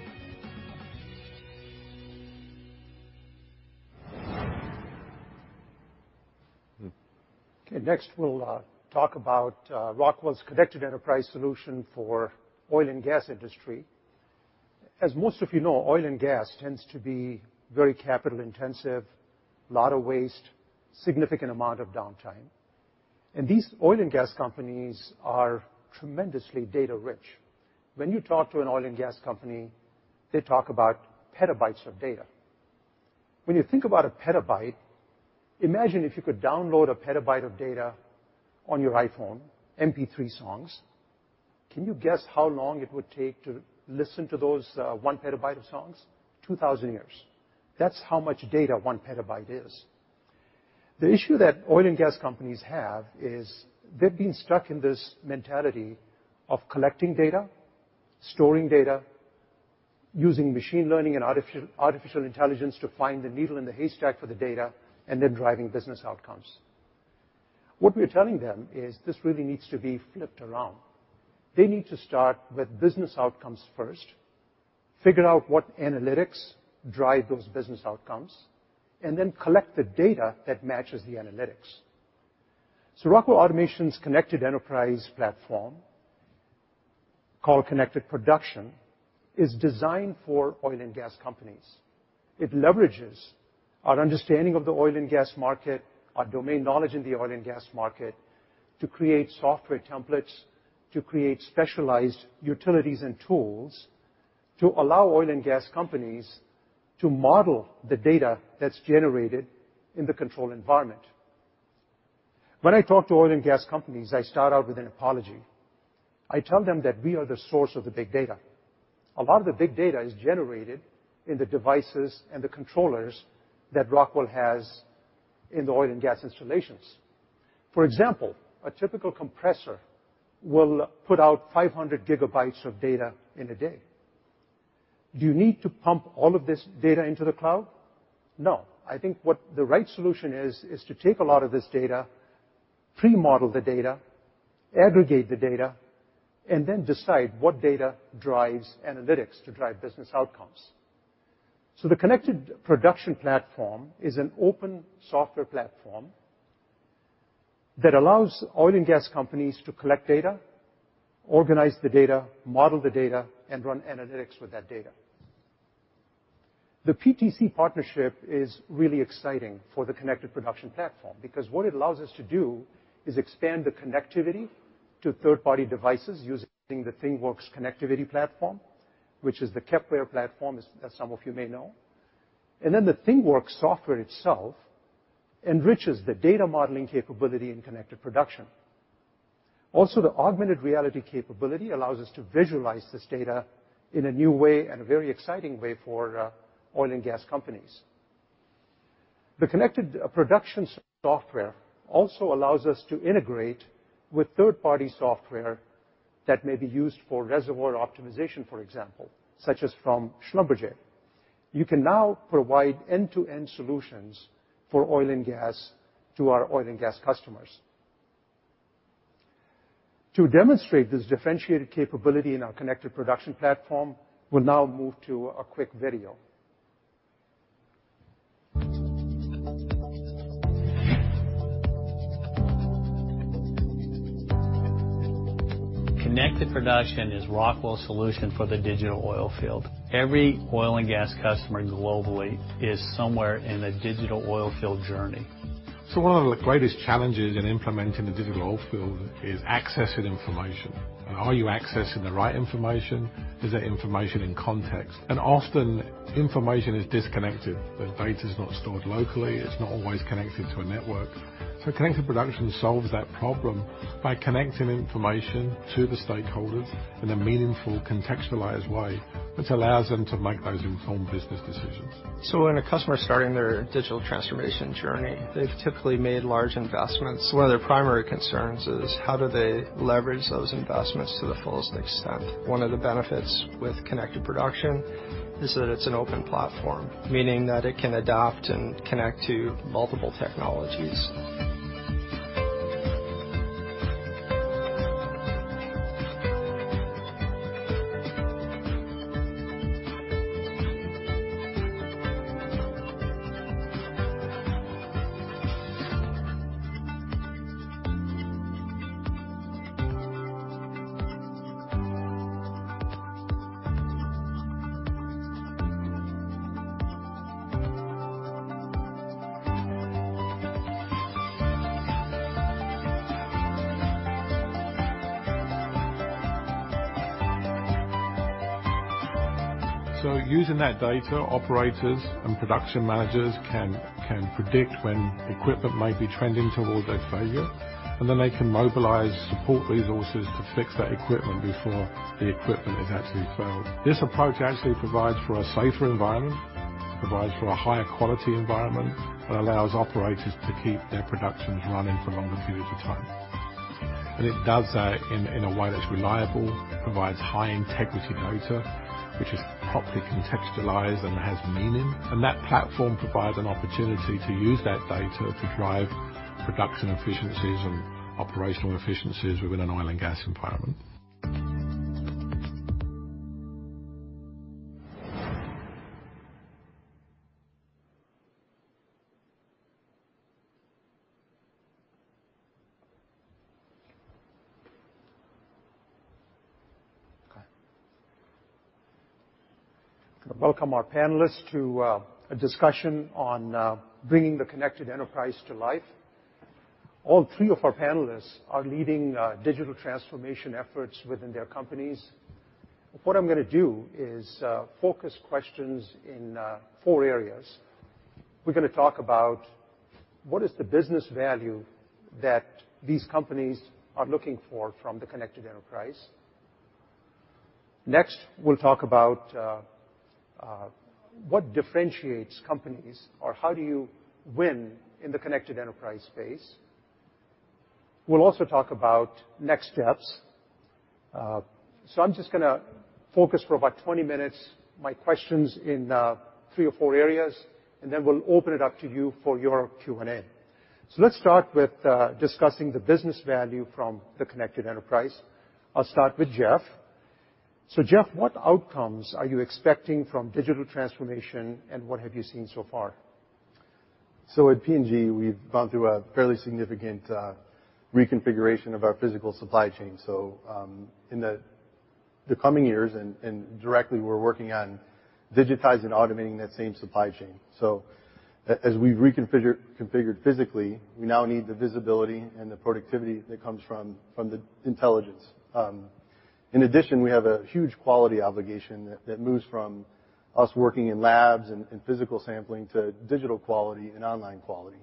Okay. Next we'll talk about Rockwell's connected enterprise solution for oil and gas industry. As most of you know, oil and gas tends to be very capital intensive, lot of waste, significant amount of downtime. These oil and gas companies are tremendously data rich. When you talk to an oil and gas company, they talk about petabytes of data. When you think about a petabyte, imagine if you could download a petabyte of data on your iPhone, MP3 songs. Can you guess how long it would take to listen to those one petabyte of songs? 2,000 years. That's how much data one petabyte is. The issue that oil and gas companies have is they've been stuck in this mentality of collecting data, storing data, using machine learning and artificial intelligence to find the needle in the haystack for the data, then driving business outcomes. What we're telling them is this really needs to be flipped around. They need to start with business outcomes first, figure out what analytics drive those business outcomes, and then collect the data that matches the analytics. Rockwell Automation's Connected Enterprise platform, called Connected Production, is designed for oil and gas companies. It leverages our understanding of the oil and gas market, our domain knowledge in the oil and gas market to create software templates, to create specialized utilities and tools, to allow oil and gas companies to model the data that's generated in the control environment. When I talk to oil and gas companies, I start out with an apology. I tell them that we are the source of the big data. A lot of the big data is generated in the devices and the controllers that Rockwell has in the oil and gas installations. For example, a typical compressor will put out 500 gigabytes of data in a day. Do you need to pump all of this data into the cloud? No. I think what the right solution is to take a lot of this data, pre-model the data, aggregate the data, and then decide what data drives analytics to drive business outcomes. The Connected Production platform is an open software platform that allows oil and gas companies to collect data, organize the data, model the data, and run analytics with that data. The PTC partnership is really exciting for the Connected Production platform because what it allows us to do is expand the connectivity to third-party devices using the ThingWorx connectivity platform, which is the Kepware platform, as some of you may know. The ThingWorx software itself enriches the data modeling capability in Connected Production. The augmented reality capability allows us to visualize this data in a new way and a very exciting way for oil and gas companies. The Connected Production software also allows us to integrate with third-party software that may be used for reservoir optimization, for example, such as from Schlumberger. You can now provide end-to-end solutions for oil and gas to our oil and gas customers. To demonstrate this differentiated capability in our Connected Production platform, we'll now move to a quick video. Connected Production is Rockwell's solution for the digital oil field. Every oil and gas customer globally is somewhere in a digital oil field journey. One of the greatest challenges in implementing the digital oil field is accessing information. Are you accessing the right information? Is that information in context? Often information is disconnected. The data's not stored locally, it's not always connected to a network. Connected Production solves that problem by connecting information to the stakeholders in a meaningful, contextualized way that allows them to make those informed business decisions. When a customer's starting their digital transformation journey, they've typically made large investments. One of their primary concerns is how do they leverage those investments to the fullest extent. One of the benefits with Connected Production is that it's an open platform, meaning that it can adapt and connect to multiple technologies. Using that data, operators and production managers can predict when equipment may be trending towards a failure, and then they can mobilize support resources to fix that equipment before the equipment is actually failed. This approach actually provides for a safer environment. Provides for a higher quality environment and allows operators to keep their productions running for longer periods of time. It does so in a way that's reliable, provides high integrity data, which is properly contextualized and has meaning. That platform provides an opportunity to use that data to drive production efficiencies and operational efficiencies within an oil and gas environment. Okay. Going to welcome our panelists to a discussion on bringing the Connected Enterprise to life. All three of our panelists are leading digital transformation efforts within their companies. What I'm going to do is focus questions in four areas. We're going to talk about what is the business value that these companies are looking for from the Connected Enterprise. Next, we'll talk about what differentiates companies, or how do you win in the Connected Enterprise space. We'll also talk about next steps. I'm just going to focus for about 20 minutes my questions in three or four areas, and then we'll open it up to you for your Q&A. Let's start with discussing the business value from the Connected Enterprise. I'll start with Jeff. Jeff, what outcomes are you expecting from digital transformation and what have you seen so far? At P&G, we've gone through a fairly significant reconfiguration of our physical supply chain. In the coming years and directly we're working on digitizing, automating that same supply chain. As we've reconfigured physically, we now need the visibility and the productivity that comes from the intelligence. In addition, we have a huge quality obligation that moves from us working in labs and physical sampling to digital quality and online quality.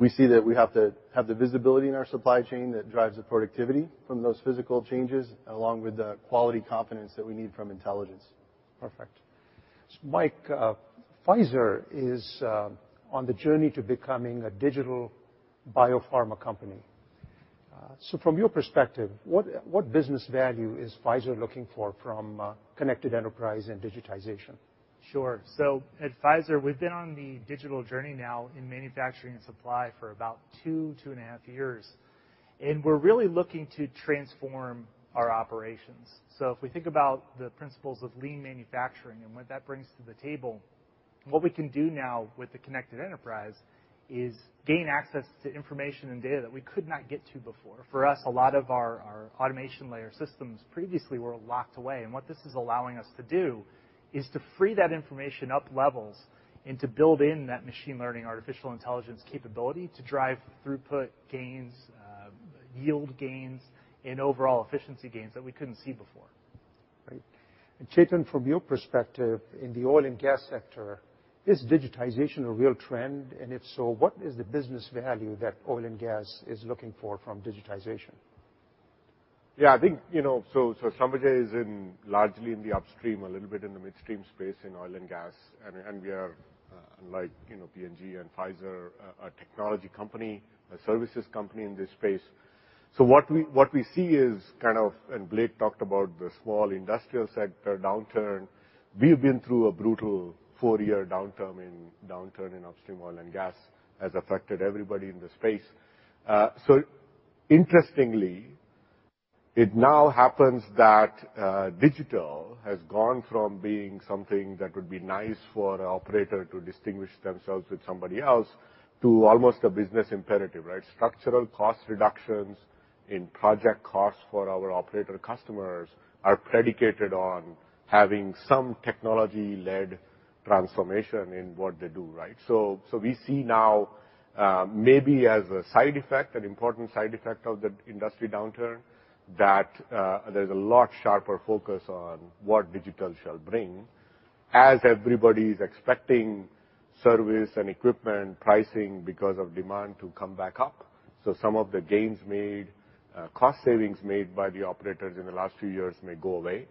We see that we have to have the visibility in our supply chain that drives the productivity from those physical changes, along with the quality confidence that we need from intelligence. Perfect. Mike, Pfizer is on the journey to becoming a digital biopharma company. From your perspective, what business value is Pfizer looking for from Connected Enterprise and digitization? Sure. At Pfizer, we've been on the digital journey now in manufacturing and supply for about two and a half years, and we're really looking to transform our operations. If we think about the principles of lean manufacturing and what that brings to the table, what we can do now with the Connected Enterprise is gain access to information and data that we could not get to before. For us, a lot of our automation layer systems previously were locked away, and what this is allowing us to do is to free that information up levels and to build in that machine learning artificial intelligence capability to drive throughput gains, yield gains, and overall efficiency gains that we couldn't see before. Right. Chetan, from your perspective in the oil and gas sector, is digitization a real trend? If so, what is the business value that oil and gas is looking for from digitization? I think, Schlumberger is in largely in the upstream, a little bit in the midstream space in oil and gas, and we are, unlike P&G and Pfizer, a technology company, a services company in this space. What we see is Blake talked about the small industrial sector downturn. We've been through a brutal four-year downturn in upstream oil and gas, has affected everybody in the space. Interestingly, it now happens that digital has gone from being something that would be nice for our operator to distinguish themselves with somebody else, to almost a business imperative, right. Structural cost reductions in project costs for our operator customers are predicated on having some technology-led transformation in what they do, right. We see now, maybe as a side effect, an important side effect of the industry downturn, that there's a lot sharper focus on what digital shall bring as everybody's expecting service and equipment pricing because of demand to come back up. Some of the gains made, cost savings made by the operators in the last few years may go away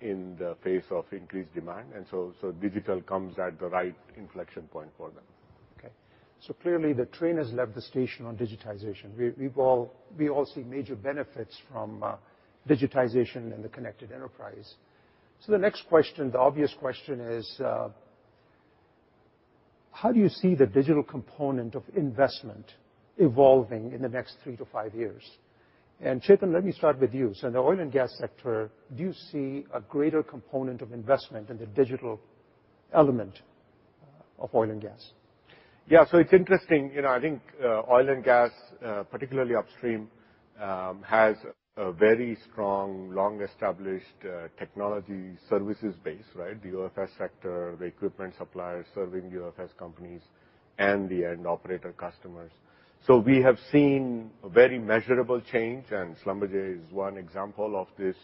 in the face of increased demand. Digital comes at the right inflection point for them. Clearly the train has left the station on digitization. We all see major benefits from digitization and the Connected Enterprise. The next question, the obvious question is, how do you see the digital component of investment evolving in the next three to five years? Chetan, let me start with you. In the oil and gas sector, do you see a greater component of investment in the digital element of oil and gas? It's interesting. I think oil and gas, particularly upstream, has a very strong, long-established technology services base, right. The OFS sector, the equipment suppliers serving OFS companies and the end operator customers. We have seen a very measurable change, and Schlumberger is one example of this.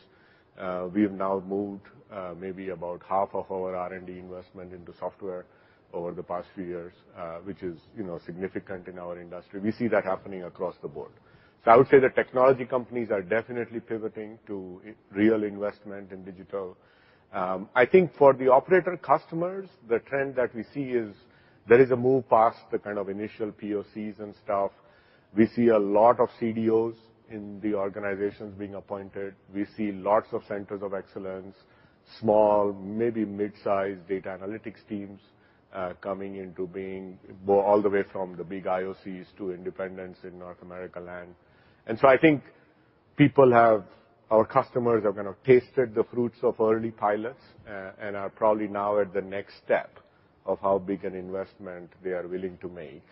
We have now moved maybe about half of our R&D investment into software over the past few years, which is significant in our industry. We see that happening across the board. I would say the technology companies are definitely pivoting to real investment in digital. I think for the operator customers, the trend that we see is there is a move past the initial POCs. We see a lot of CDOs in the organizations being appointed. We see lots of centers of excellence. Small, maybe mid-size data analytics teams coming into being all the way from the big IOCs to independents in North America land. I think our customers have kind of tasted the fruits of early pilots and are probably now at the next step of how big an investment they are willing to make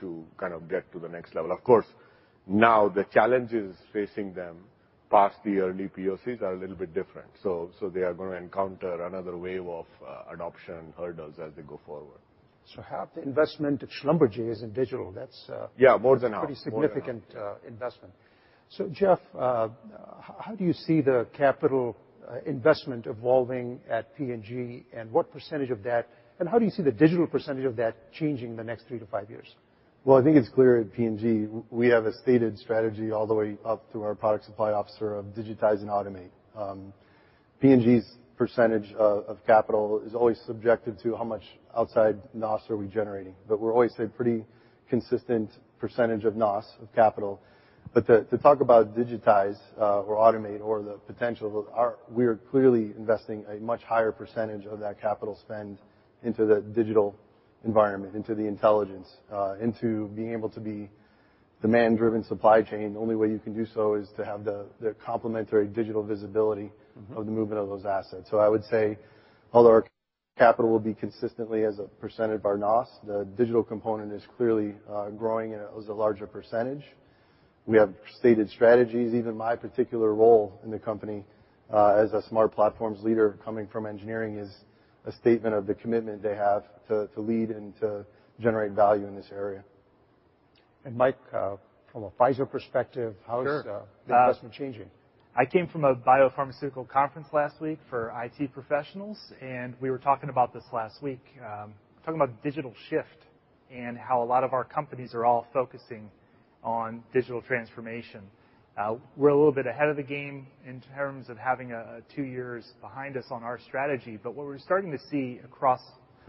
to kind of get to the next level. Of course, now the challenges facing them past the early POCs are a little bit different. They are going to encounter another wave of adoption hurdles as they go forward. Half the investment at Schlumberger is in digital. That's. Yeah, more than half. A pretty significant investment. Jeff, how do you see the capital investment evolving at P&G, and what percentage of that, and how do you see the digital percentage of that changing in the next three to five years? I think it is clear at P&G, we have a stated strategy all the way up through our product supply officer of digitize and automate. P&G's percentage of capital is always subjected to how much outside NOS are we generating. We always say pretty consistent percentage of NOS, of capital. To talk about digitize or automate or the potential, we are clearly investing a much higher percentage of that capital spend into the digital environment, into the intelligence, into being able to be demand-driven supply chain. The only way you can do so is to have the complementary digital visibility of the movement of those assets. I would say although our capital will be consistently as a percentage of our NOS, the digital component is clearly growing, and it has a larger percentage. We have stated strategies. Even my particular role in the company, as a smart platforms leader coming from engineering, is a statement of the commitment they have to lead and to generate value in this area. Mike, from a Pfizer perspective. Sure. How is the investment changing? I came from a biopharmaceutical conference last week for IT professionals, we were talking about this last week, talking about digital shift and how a lot of our companies are all focusing on digital transformation. We're a little bit ahead of the game in terms of having two years behind us on our strategy. What we're starting to see across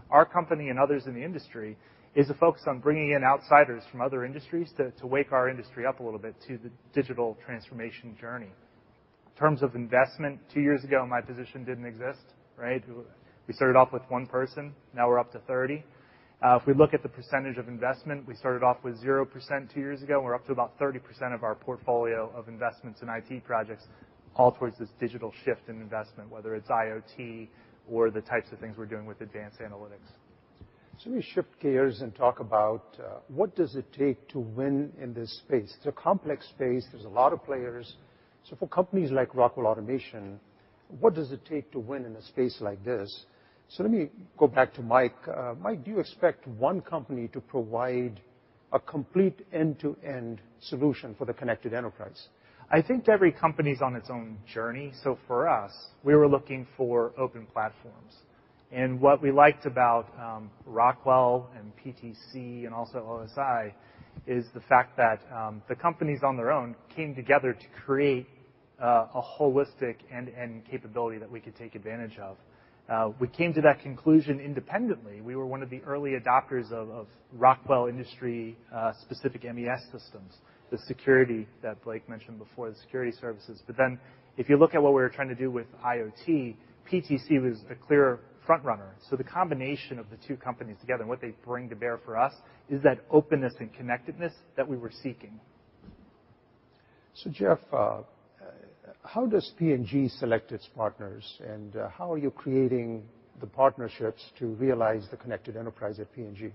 our company and others in the industry is a focus on bringing in outsiders from other industries to wake our industry up a little bit to the digital transformation journey. In terms of investment, two years ago, my position didn't exist, right? We started off with one person. Now we're up to 30. If we look at the percentage of investment, we started off with 0% two years ago, we're up to about 30% of our portfolio of investments in IT projects all towards this digital shift in investment, whether it's IoT or the types of things we're doing with advanced analytics. Let me shift gears and talk about what does it take to win in this space. It's a complex space. There's a lot of players. For companies like Rockwell Automation, what does it take to win in a space like this? Let me go back to Mike. Mike, do you expect one company to provide a complete end-to-end solution for the Connected Enterprise? I think every company's on its own journey. For us, we were looking for open platforms. What we liked about Rockwell and PTC and also OSI is the fact that the companies on their own came together to create a holistic end-to-end capability that we could take advantage of. We came to that conclusion independently. We were one of the early adopters of Rockwell industry-specific MES systems, the security that Blake mentioned before, the security services. If you look at what we were trying to do with IoT, PTC was the clear front-runner. The combination of the two companies together and what they bring to bear for us is that openness and connectedness that we were seeking. Jeff, how does P&G select its partners, and how are you creating the partnerships to realize the connected enterprise at P&G?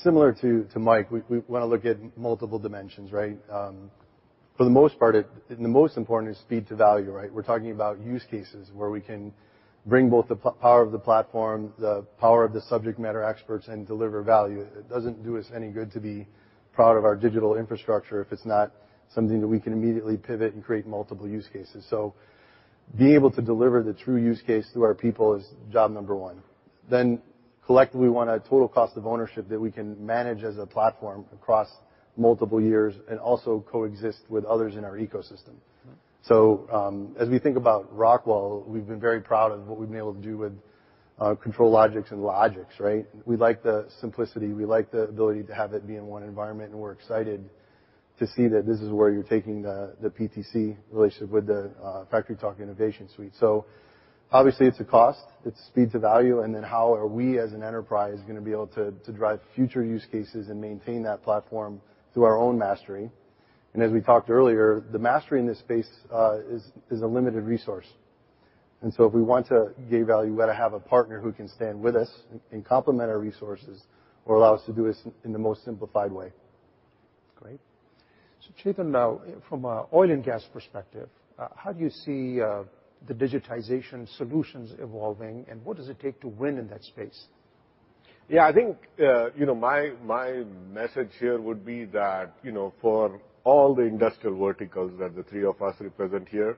Similar to Mike, we want to look at multiple dimensions, right? For the most part, the most important is speed to value, right? We're talking about use cases where we can bring both the power of the platform, the power of the subject matter experts, and deliver value. It doesn't do us any good to be proud of our digital infrastructure if it's not something that we can immediately pivot and create multiple use cases. Being able to deliver the true use case to our people is job number one. Collectively, we want a total cost of ownership that we can manage as a platform across multiple years and also coexist with others in our ecosystem. As we think about Rockwell, we've been very proud of what we've been able to do with ControlLogix and Logix, right? We like the simplicity. We like the ability to have it be in one environment, and we're excited to see that this is where you're taking the PTC relationship with the FactoryTalk InnovationSuite. Obviously it's a cost, it's speed to value, then how are we as an enterprise going to be able to drive future use cases and maintain that platform through our own mastery? As we talked earlier, the mastery in this space is a limited resource. If we want to gain value, we got to have a partner who can stand with us and complement our resources or allow us to do this in the most simplified way. Great. Chetan, now from an oil and gas perspective, how do you see the digitization solutions evolving, and what does it take to win in that space? Yeah, I think my message here would be that for all the industrial verticals that the three of us represent here,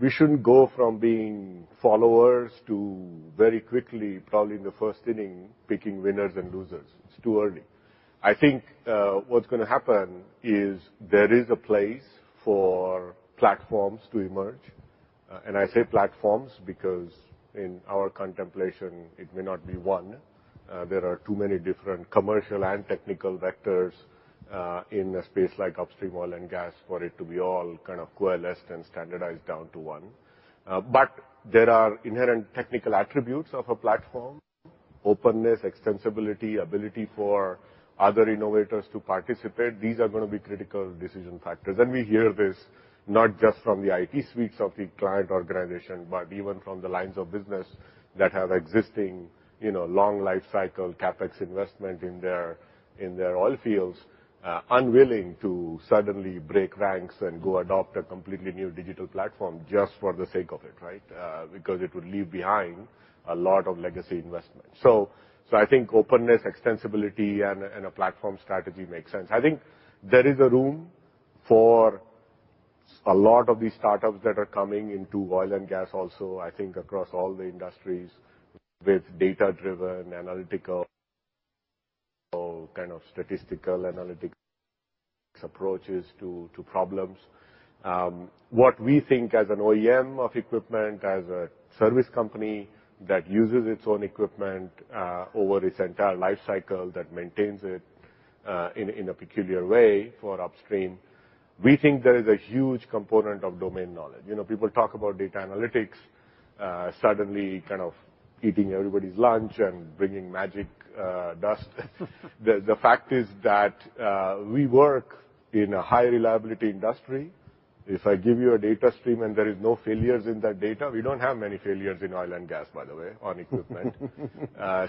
we shouldn't go from being followers to very quickly, probably in the first inning, picking winners and losers. It's too early. I think what's going to happen is there is a place for platforms to emerge. I say platforms because in our contemplation, it may not be one. There are too many different commercial and technical vectors in a space like upstream oil and gas for it to be all kind of coalesced and standardized down to one. There are inherent technical attributes of a platform. Openness, extensibility, ability for other innovators to participate, these are going to be critical decision factors. We hear this not just from the IT suites of the client organization, but even from the lines of business that have existing long life cycle CapEx investment in their oil fields, unwilling to suddenly break ranks and go adopt a completely new digital platform just for the sake of it, right? Because it would leave behind a lot of legacy investments. I think openness, extensibility, and a platform strategy makes sense. I think there is a room for a lot of these startups that are coming into oil and gas also, I think across all the industries with data-driven analytical kind of statistical analytics approaches to problems. What we think as an OEM of equipment, as a service company that uses its own equipment, over its entire life cycle, that maintains it, in a peculiar way for upstream, we think there is a huge component of domain knowledge. People talk about data analytics suddenly kind of eating everybody's lunch and bringing magic dust. The fact is that we work in a high reliability industry. If I give you a data stream and there is no failures in that data, we don't have many failures in oil and gas, by the way, on equipment.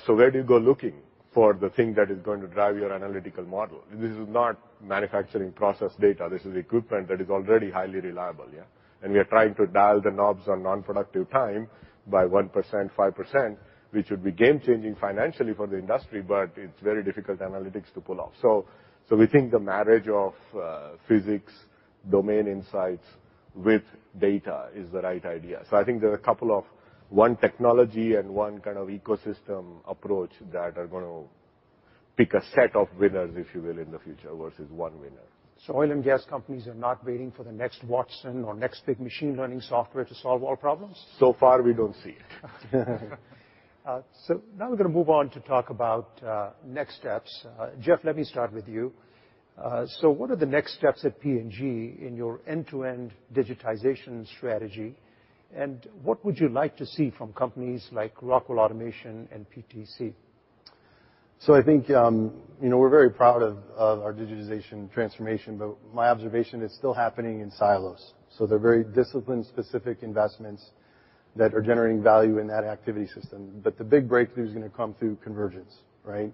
Where do you go looking for the thing that is going to drive your analytical model? This is not manufacturing process data. This is equipment that is already highly reliable, yeah? We are trying to dial the knobs on non-productive time by 1%, 5%, which would be game-changing financially for the industry, but it's very difficult analytics to pull off. We think the marriage of physics, domain insights with data is the right idea. I think there are a couple of one technology and one kind of ecosystem approach that are going to pick a set of winners, if you will, in the future versus one winner. So oil and gas companies are not waiting for the next Watson or next big machine learning software to solve all problems? Far we don't see it. Now we're going to move on to talk about next steps. Jeff, let me start with you. What are the next steps at P&G in your end-to-end digitization strategy, and what would you like to see from companies like Rockwell Automation and PTC? I think we're very proud of our digitization transformation, my observation it's still happening in silos, they're very discipline-specific investments that are generating value in that activity system. The big breakthrough is going to come through convergence, right?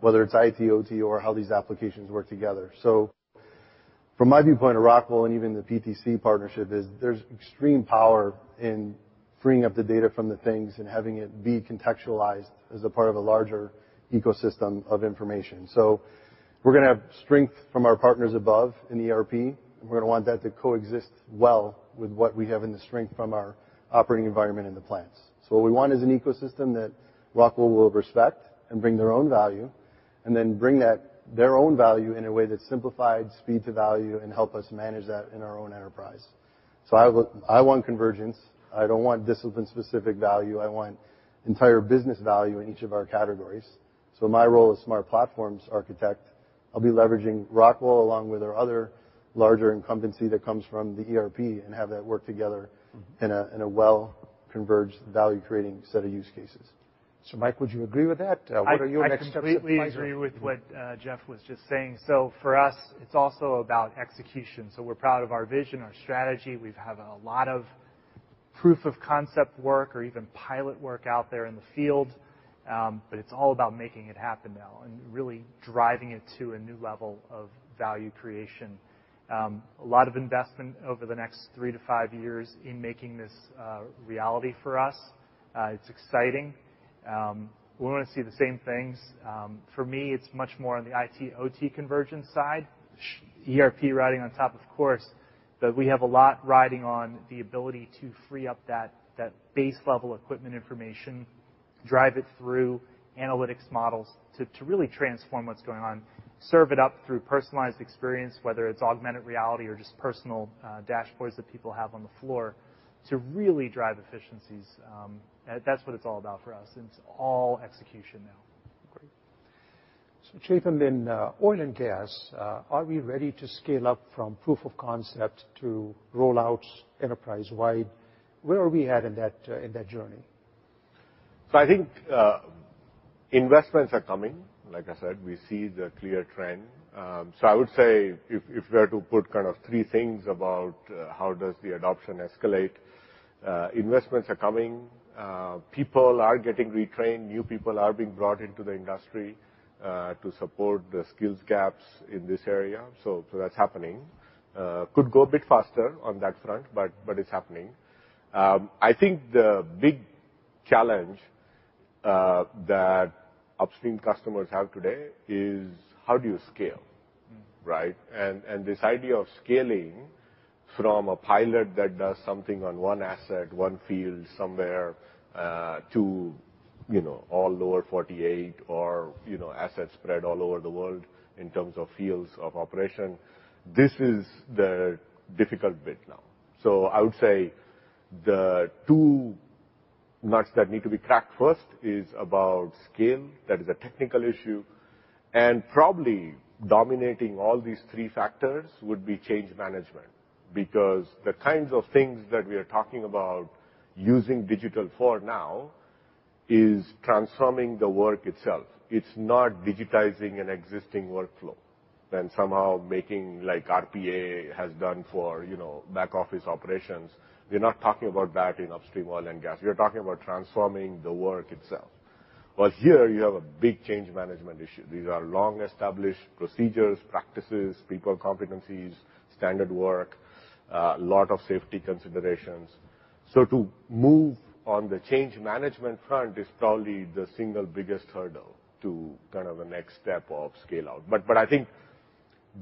Whether it's IT, OT, or how these applications work together. From my viewpoint of Rockwell and even the PTC partnership is there's extreme power in freeing up the data from the things and having it be contextualized as a part of a larger ecosystem of information. We're going to have strength from our partners above in ERP, we're going to want that to coexist well with what we have in the strength from our operating environment in the plants. What we want is an ecosystem that Rockwell will respect and bring their own value, then bring their own value in a way that's simplified speed to value and help us manage that in our own enterprise. I want convergence. I don't want discipline-specific value. I want entire business value in each of our categories. My role as smart platforms architect, I'll be leveraging Rockwell along with our other larger incumbency that comes from the ERP and have that work together in a well-converged value-creating set of use cases. Mike, would you agree with that? What are your next steps at Pfizer? I completely agree with what Jeff was just saying. For us, it's also about execution. We're proud of our vision, our strategy. We've had a lot of proof of concept work or even pilot work out there in the field. It's all about making it happen now and really driving it to a new level of value creation. A lot of investment over the next three to five years in making this a reality for us. It's exciting. We want to see the same things. For me, it's much more on the IT/OT convergence side. ERP riding on top, of course, we have a lot riding on the ability to free up that base level equipment information, drive it through analytics models to really transform what's going on, serve it up through personalized experience, whether it's augmented reality or just personal dashboards that people have on the floor to really drive efficiencies. That's what it's all about for us, it's all execution now. Great. Chetan, in oil and gas, are we ready to scale up from proof of concept to roll-outs enterprise-wide? Where are we at in that journey? I think investments are coming. Like I said, we see the clear trend. I would say if we are to put kind of three things about how does the adoption escalate, investments are coming. People are getting retrained. New people are being brought into the industry to support the skills gaps in this area. That's happening. Could go a bit faster on that front, but it's happening. I think the big challenge that upstream customers have today is how do you scale, right? This idea of scaling from a pilot that does something on one asset, one field somewhere, to all lower 48 or assets spread all over the world in terms of fields of operation. This is the difficult bit now. I would say the two nuts that need to be cracked first is about scale. That is a technical issue. Probably dominating all these three factors would be change management. Because the kinds of things that we are talking about using digital for now is transforming the work itself. It's not digitizing an existing workflow, then somehow making like RPA has done for back office operations. We're not talking about that in upstream oil and gas. We are talking about transforming the work itself. Well, here you have a big change management issue. These are long-established procedures, practices, people competencies, standard work, a lot of safety considerations. To move on the change management front is probably the single biggest hurdle to kind of a next step of scale-out. I think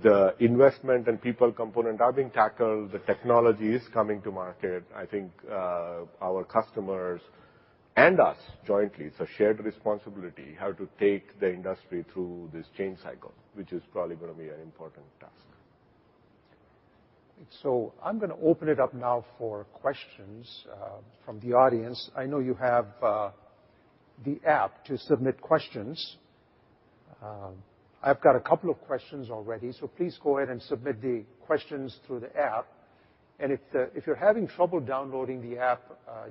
the investment and people component are being tackled. The technology is coming to market. I think, our customers and us jointly, it's a shared responsibility, how to take the industry through this change cycle, which is probably going to be an important task. I'm going to open it up now for questions from the audience. I know you have the app to submit questions. I've got a couple of questions already, please go ahead and submit the questions through the app. If you're having trouble downloading the app,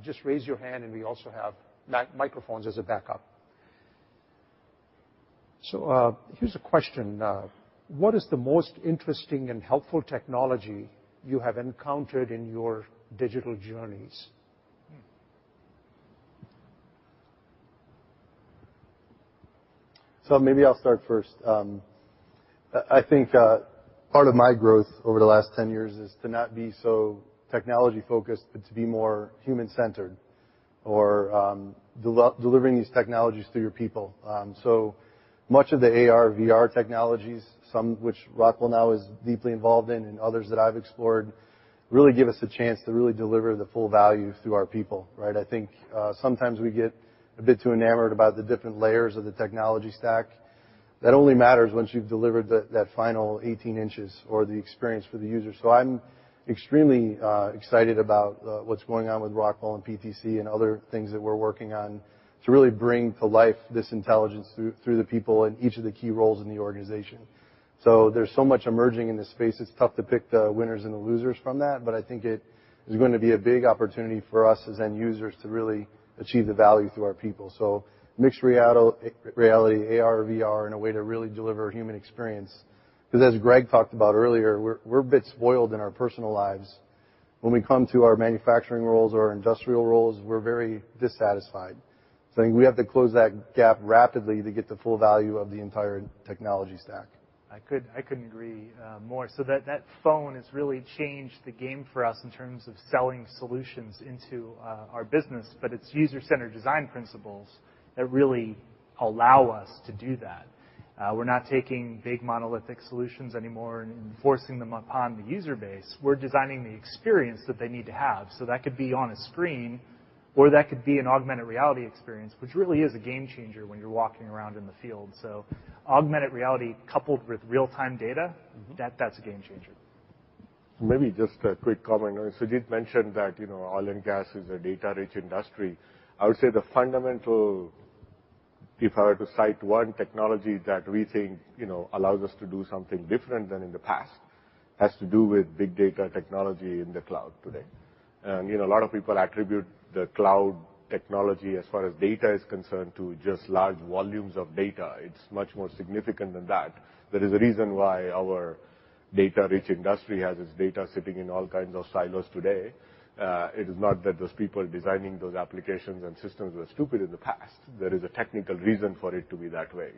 just raise your hand and we also have microphones as a backup. Here's a question. What is the most interesting and helpful technology you have encountered in your digital journeys? Maybe I'll start first. I think, part of my growth over the last 10 years is to not be so technology-focused, but to be more human-centered, or delivering these technologies through your people. Much of the AR/VR technologies, some which Rockwell now is deeply involved in, and others that I've explored, really give us a chance to really deliver the full value through our people, right? I think, sometimes we get a bit too enamored about the different layers of the technology stack. That only matters once you've delivered that final 18 inches or the experience for the user. I'm extremely excited about what's going on with Rockwell and PTC and other things that we're working on to really bring to life this intelligence through the people in each of the key roles in the organization. There's so much emerging in this space, it's tough to pick the winners and the losers from that, but I think it is going to be a big opportunity for us as end users to really achieve the value through our people. Mixed reality, AR, VR, in a way to really deliver human experience. Because as Greg talked about earlier, we're a bit spoiled in our personal lives. When we come to our manufacturing roles or our industrial roles, we're very dissatisfied. I think we have to close that gap rapidly to get the full value of the entire technology stack. I couldn't agree more. That phone has really changed the game for us in terms of selling solutions into our business, but it's user-centered design principles that really allow us to do that. We're not taking big monolithic solutions anymore and forcing them upon the user base. We're designing the experience that they need to have. That could be on a screen, or that could be an augmented reality experience, which really is a game changer when you're walking around in the field. Augmented reality coupled with real-time data, that's a game changer. Maybe just a quick comment. Sujeet mentioned that oil and gas is a data-rich industry. I would say the fundamental, if I were to cite one technology that we think allows us to do something different than in the past, has to do with big data technology in the cloud today. A lot of people attribute the cloud technology as far as data is concerned to just large volumes of data. It's much more significant than that. There is a reason why our data-rich industry has its data sitting in all kinds of silos today. It is not that those people designing those applications and systems were stupid in the past. There is a technical reason for it to be that way.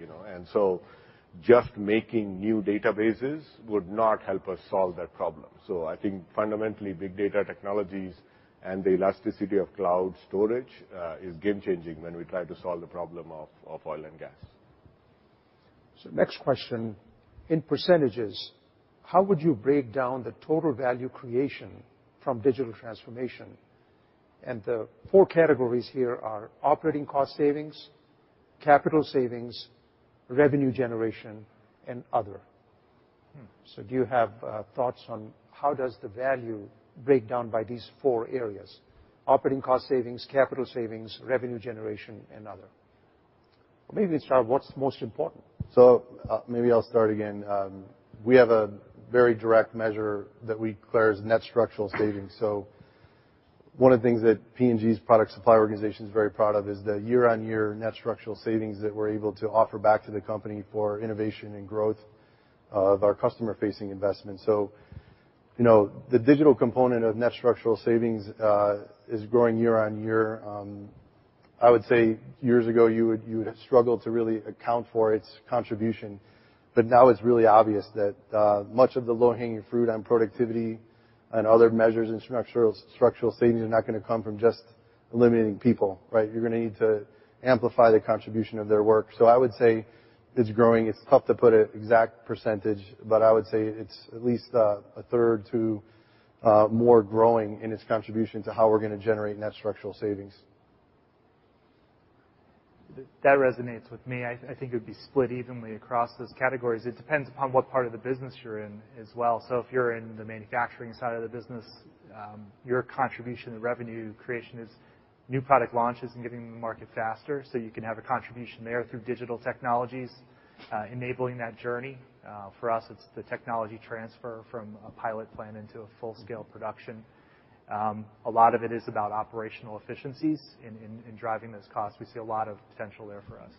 Just making new databases would not help us solve that problem. I think fundamentally, big data technologies and the elasticity of cloud storage is game-changing when we try to solve the problem of oil and gas. Next question. In percentages, how would you break down the total value creation from digital transformation? The four categories here are operating cost savings, capital savings, revenue generation, and other. Do you have thoughts on how does the value break down by these four areas? Operating cost savings, capital savings, revenue generation, and other. Maybe let's start what's most important. Maybe I'll start again. We have a very direct measure that we declare as net structural savings. One of the things that P&G's product supply organization is very proud of is the year-on-year net structural savings that we're able to offer back to the company for innovation and growth of our customer-facing investments. The digital component of net structural savings is growing year-on-year. I would say years ago, you would have struggled to really account for its contribution. Now it's really obvious that much of the low-hanging fruit on productivity and other measures in structural savings are not going to come from just eliminating people, right? You're going to need to amplify the contribution of their work. I would say it's growing. It's tough to put an exact percentage, I would say it's at least a third to more growing in its contribution to how we're going to generate net structural savings. That resonates with me. I think it would be split evenly across those categories. It depends upon what part of the business you're in as well. If you're in the manufacturing side of the business, your contribution to revenue creation is new product launches and getting them to market faster. You can have a contribution there through digital technologies, enabling that journey. For us, it's the technology transfer from a pilot plan into a full-scale production. A lot of it is about operational efficiencies in driving those costs. We see a lot of potential there for us.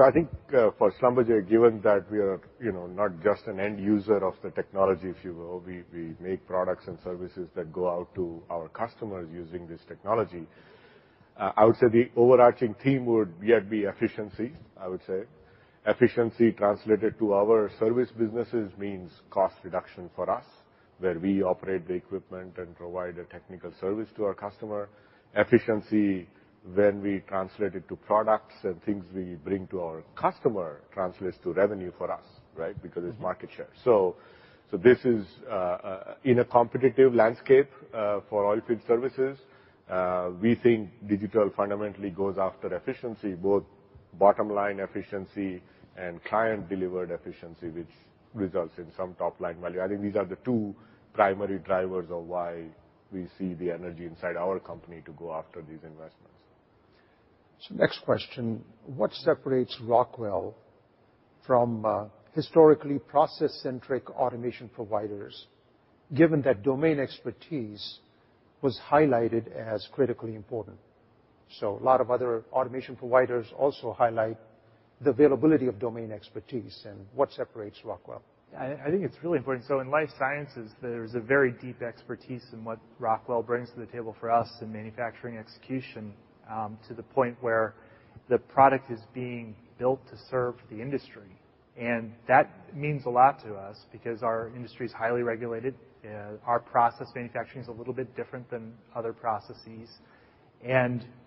I think for Schlumberger, given that we are not just an end user of the technology, if you will, we make products and services that go out to our customers using this technology. I would say the overarching theme would yet be efficiency, I would say. Efficiency translated to our service businesses means cost reduction for us, where we operate the equipment and provide a technical service to our customer. Efficiency when we translate it to products and things we bring to our customer, translates to revenue for us, right? Because it's market share. This is in a competitive landscape for Oilfield Services. We think digital fundamentally goes after efficiency, both bottom-line efficiency and client-delivered efficiency, which results in some top-line value. I think these are the two primary drivers of why we see the energy inside our company to go after these investments. Next question, what separates Rockwell from historically process-centric automation providers, given that domain expertise was highlighted as critically important? A lot of other automation providers also highlight the availability of domain expertise, and what separates Rockwell? I think it's really important. In life sciences, there's a very deep expertise in what Rockwell brings to the table for us in manufacturing execution, to the point where the product is being built to serve the industry. That means a lot to us because our industry is highly regulated. Our process manufacturing is a little bit different than other processes.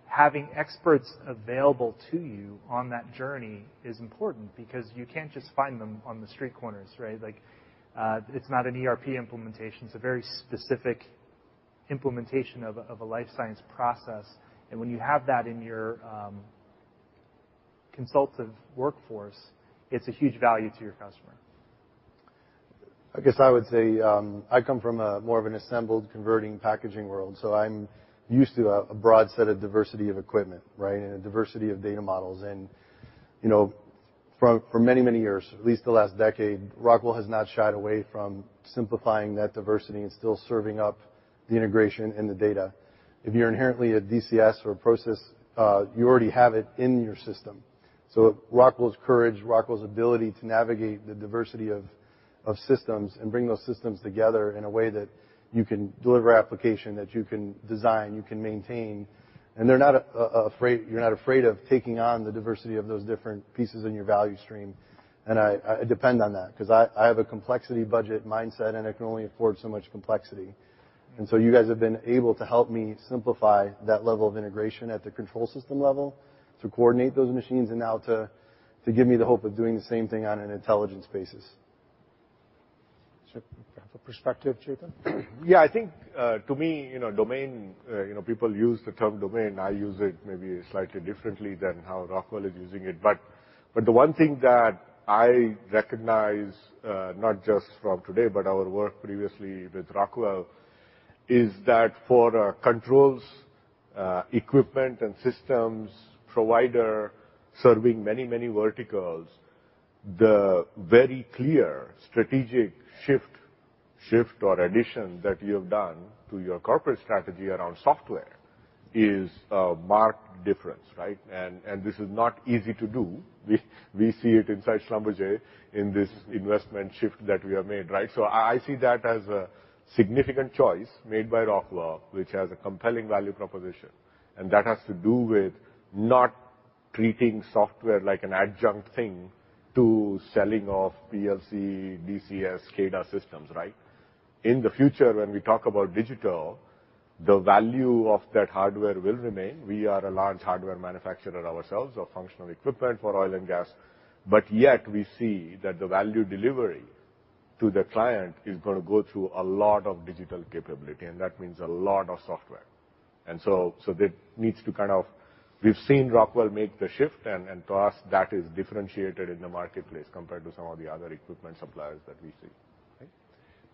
Having experts available to you on that journey is important because you can't just find them on the street corners, right? It's not an ERP implementation. It's a very specific implementation of a life science process. When you have that in your consultative workforce, it's a huge value to your customer. I guess I would say, I come from a more of an assembled converting packaging world. I'm used to a broad set of diversity of equipment, right? A diversity of data models. For many, many years, at least the last decade, Rockwell has not shied away from simplifying that diversity and still serving up the integration and the data. If you're inherently a DCS or process, you already have it in your system. Rockwell's courage, Rockwell's ability to navigate the diversity of systems and bring those systems together in a way that you can deliver application, that you can design, you can maintain, and you're not afraid of taking on the diversity of those different pieces in your value stream. I depend on that because I have a complexity budget mindset, and I can only afford so much complexity. You guys have been able to help me simplify that level of integration at the control system level to coordinate those machines, and now to give me the hope of doing the same thing on an intelligence basis. Do you have a perspective, Chetan? I think, to me, domain, people use the term domain, I use it maybe slightly differently than how Rockwell is using it. The one thing that I recognize, not just from today, but our work previously with Rockwell, is that for our controls, equipment, and systems provider serving many, many verticals, the very clear strategic shift or addition that you have done to your corporate strategy around software is a marked difference, right? This is not easy to do. We see it inside Schlumberger in this investment shift that we have made, right? I see that as a significant choice made by Rockwell, which has a compelling value proposition, and that has to do with not treating software like an adjunct thing to selling off PLC, DCS, SCADA systems, right? In the future, when we talk about digital, the value of that hardware will remain. We are a large hardware manufacturer ourselves of functional equipment for Oil & Gas. Yet we see that the value delivery to the client is going to go through a lot of digital capability, and that means a lot of software. So we've seen Rockwell make the shift, and to us, that is differentiated in the marketplace compared to some of the other equipment suppliers that we see. Okay.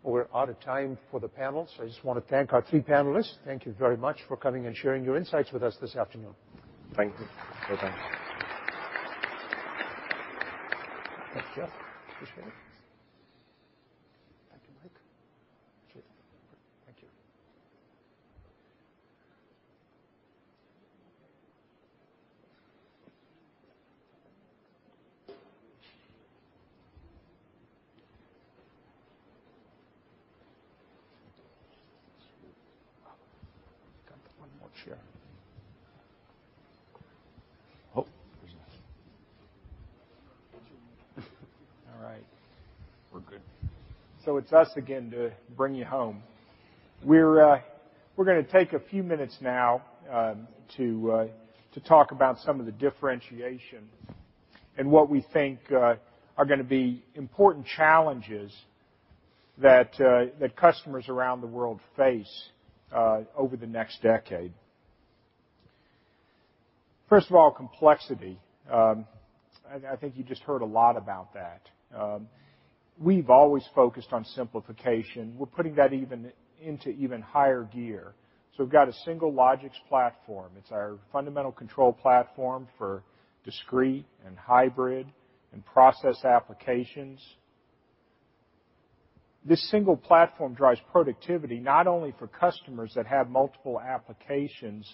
We're out of time for the panel. I just want to thank our three panelists. Thank you very much for coming and sharing your insights with us this afternoon. Thank you. Thank you. Thanks, Jeff. Thank you, Mike. Chetan. Thank you. Got one more chair. Oh, there's enough. All right. We're good. It's us again to bring you home. We're gonna take a few minutes now to talk about some of the differentiation and what we think are gonna be important challenges that customers around the world face over the next decade. First of all, complexity. I think you just heard a lot about that. We've always focused on simplification. We're putting that even into even higher gear. We've got a single Logix platform. It's our fundamental control platform for discrete and hybrid and process applications. This single platform drives productivity not only for customers that have multiple applications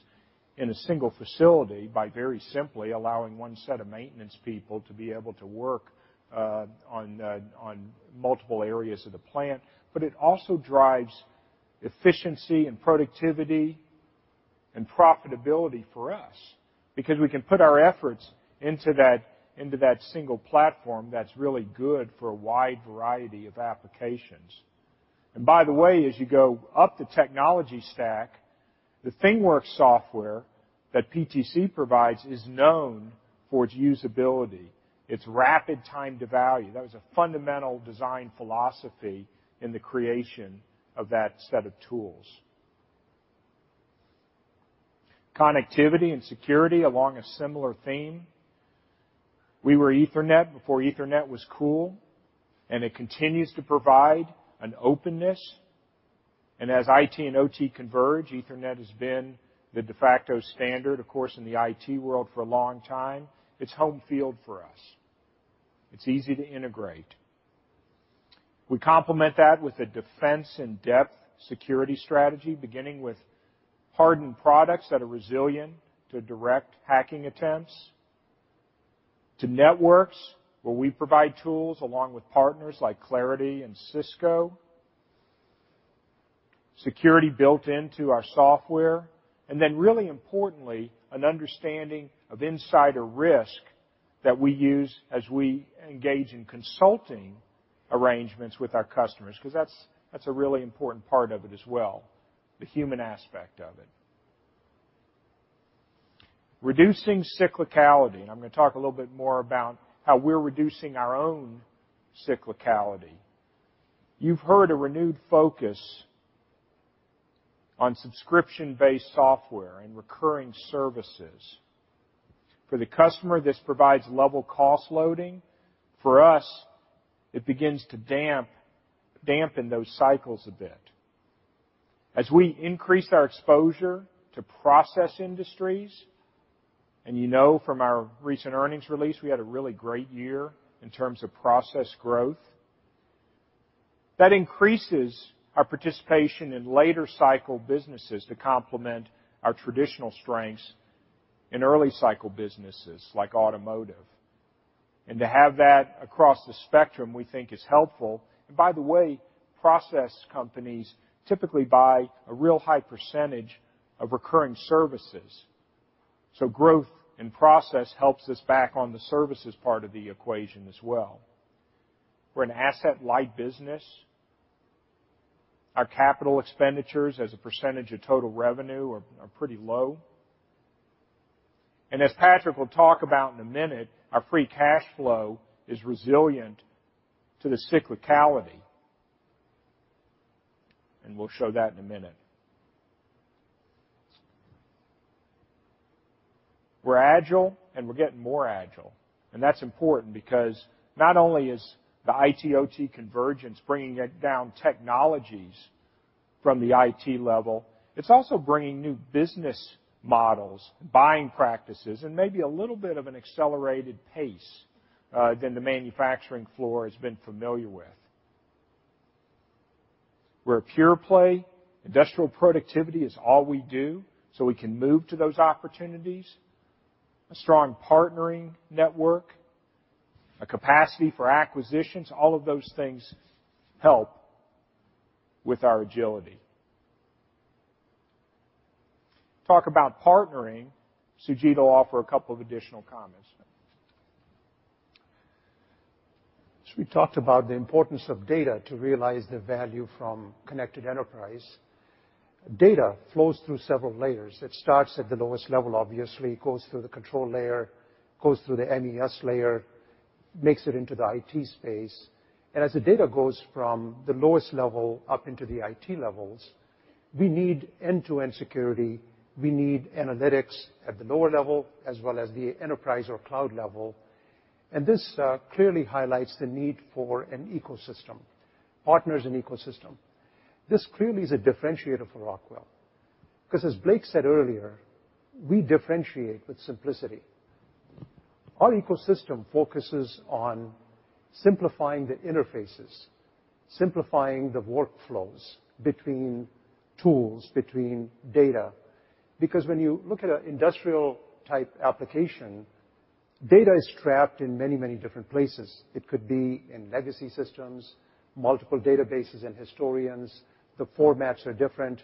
in a single facility by very simply allowing one set of maintenance people to be able to work on multiple areas of the plant, but it also drives efficiency and productivity and profitability for us because we can put our efforts into that single platform that's really good for a wide variety of applications. By the way, as you go up the technology stack, the ThingWorx software that PTC provides is known for its usability, its rapid time to value. That was a fundamental design philosophy in the creation of that set of tools. Connectivity and security, along a similar theme. We were Ethernet before Ethernet was cool, and it continues to provide an openness. As IT and OT converge, Ethernet has been the de facto standard, of course, in the IT world for a long time. It's home field for us. It's easy to integrate. We complement that with a defense in depth security strategy, beginning with hardened products that are resilient to direct hacking attempts, to networks, where we provide tools along with partners like Claroty and Cisco, security built into our software, then really importantly, an understanding of insider risk that we use as we engage in consulting arrangements with our customers, because that's a really important part of it as well, the human aspect of it. Reducing cyclicality. I'm going to talk a little bit more about how we're reducing our own cyclicality. You've heard a renewed focus on subscription-based software and recurring services. For the customer, this provides level cost loading. For us, it begins to dampen those cycles a bit. As we increase our exposure to process industries, you know from our recent earnings release, we had a really great year in terms of process growth. That increases our participation in later cycle businesses to complement our traditional strengths in early cycle businesses like automotive. To have that across the spectrum, we think is helpful. By the way, process companies typically buy a real high percentage of recurring services. Growth and process helps us back on the services part of the equation as well. We're an asset-light business. Our capital expenditures as a percentage of total revenue are pretty low. As Patrick will talk about in a minute, our free cash flow is resilient to the cyclicality, and we'll show that in a minute. We're agile. We're getting more agile, and that's important because not only is the IT/OT convergence bringing down technologies from the IT level, it's also bringing new business models, buying practices, and maybe a little bit of an accelerated pace than the manufacturing floor has been familiar with. We're a pure play. Industrial productivity is all we do, so we can move to those opportunities. A strong partnering network, a capacity for acquisitions, all of those things help with our agility. Talk about partnering, Sujeet will offer a couple of additional comments. We talked about the importance of data to realize the value from Connected Enterprise. Data flows through several layers. It starts at the lowest level, obviously, goes through the control layer, goes through the MES layer, makes it into the IT space. As the data goes from the lowest level up into the IT levels, we need end-to-end security. We need analytics at the lower level, as well as the enterprise or cloud level. This clearly highlights the need for an ecosystem, partners and ecosystem. This clearly is a differentiator for Rockwell, because as Blake said earlier, we differentiate with simplicity. Our ecosystem focuses on simplifying the interfaces, simplifying the workflows between tools, between data. When you look at an industrial-type application, data is trapped in many, many different places. It could be in legacy systems, multiple databases and historians. The formats are different.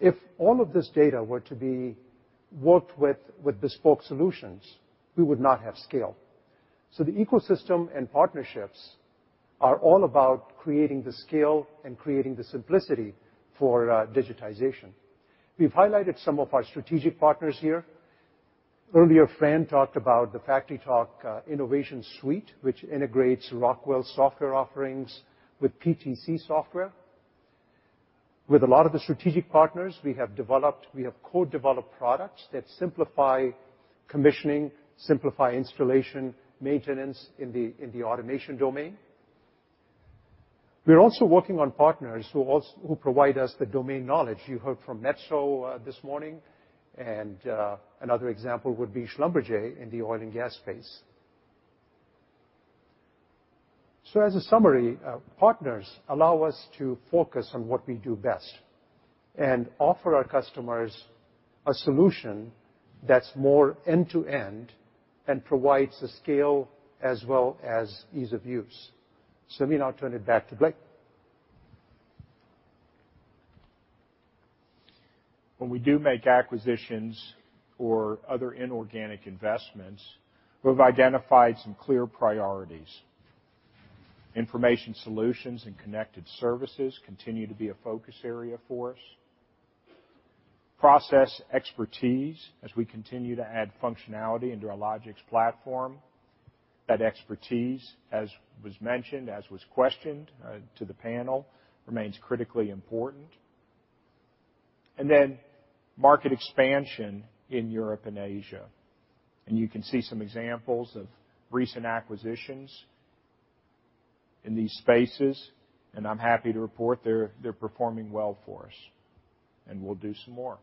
If all of this data were to be worked with bespoke solutions, we would not have scale. The ecosystem and partnerships are all about creating the scale and creating the simplicity for digitization. We've highlighted some of our strategic partners here. Earlier, Fran talked about the FactoryTalk InnovationSuite, which integrates Rockwell's software offerings with PTC software. With a lot of the strategic partners, we have co-developed products that simplify commissioning, simplify installation, maintenance in the automation domain. We're also working on partners who provide us the domain knowledge. You heard from Metso this morning, and another example would be Schlumberger in the oil and gas space. As a summary, partners allow us to focus on what we do best and offer our customers a solution that's more end-to-end and provides the scale as well as ease of use. Let me now turn it back to Blake. When we do make acquisitions or other inorganic investments, we've identified some clear priorities. Information solutions and connected services continue to be a focus area for us. Process expertise, as we continue to add functionality into our Logix platform. That expertise, as was mentioned, as was questioned to the panel, remains critically important. Then market expansion in Europe and Asia. You can see some examples of recent acquisitions in these spaces, and I'm happy to report they're performing well for us. We'll do some more.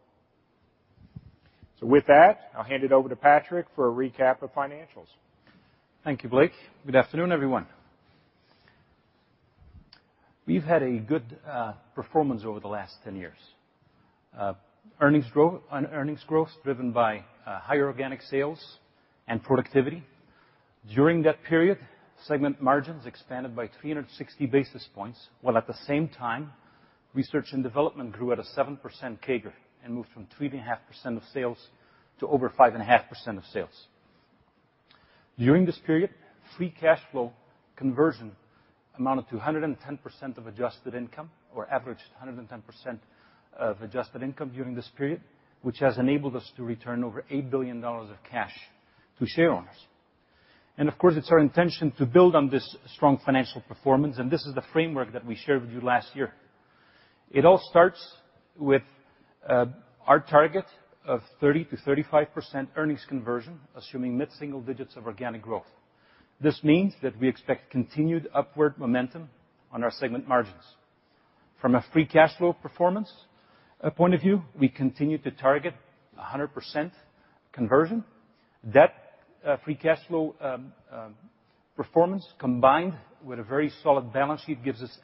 With that, I'll hand it over to Patrick for a recap of financials. Thank you, Blake. Good afternoon, everyone. We've had a good performance over the last 10 years. On earnings growth driven by higher organic sales and productivity. During that period, segment margins expanded by 360 basis points, while at the same time, research and development grew at a 7% CAGR and moved from 3.5% of sales to over 5.5% of sales. During this period, free cash flow conversion amounted to 110% of adjusted income or averaged 110% of adjusted income during this period, which has enabled us to return over $8 billion of cash to shareowners. Of course, it's our intention to build on this strong financial performance, and this is the framework that we shared with you last year. It all starts with our target of 30%-35% earnings conversion, assuming mid-single digits of organic growth. This means that we expect continued upward momentum on our segment margins. From a free cash flow performance point of view, we continue to target 100% conversion. That free cash flow performance, combined with a very solid balance sheet, gives us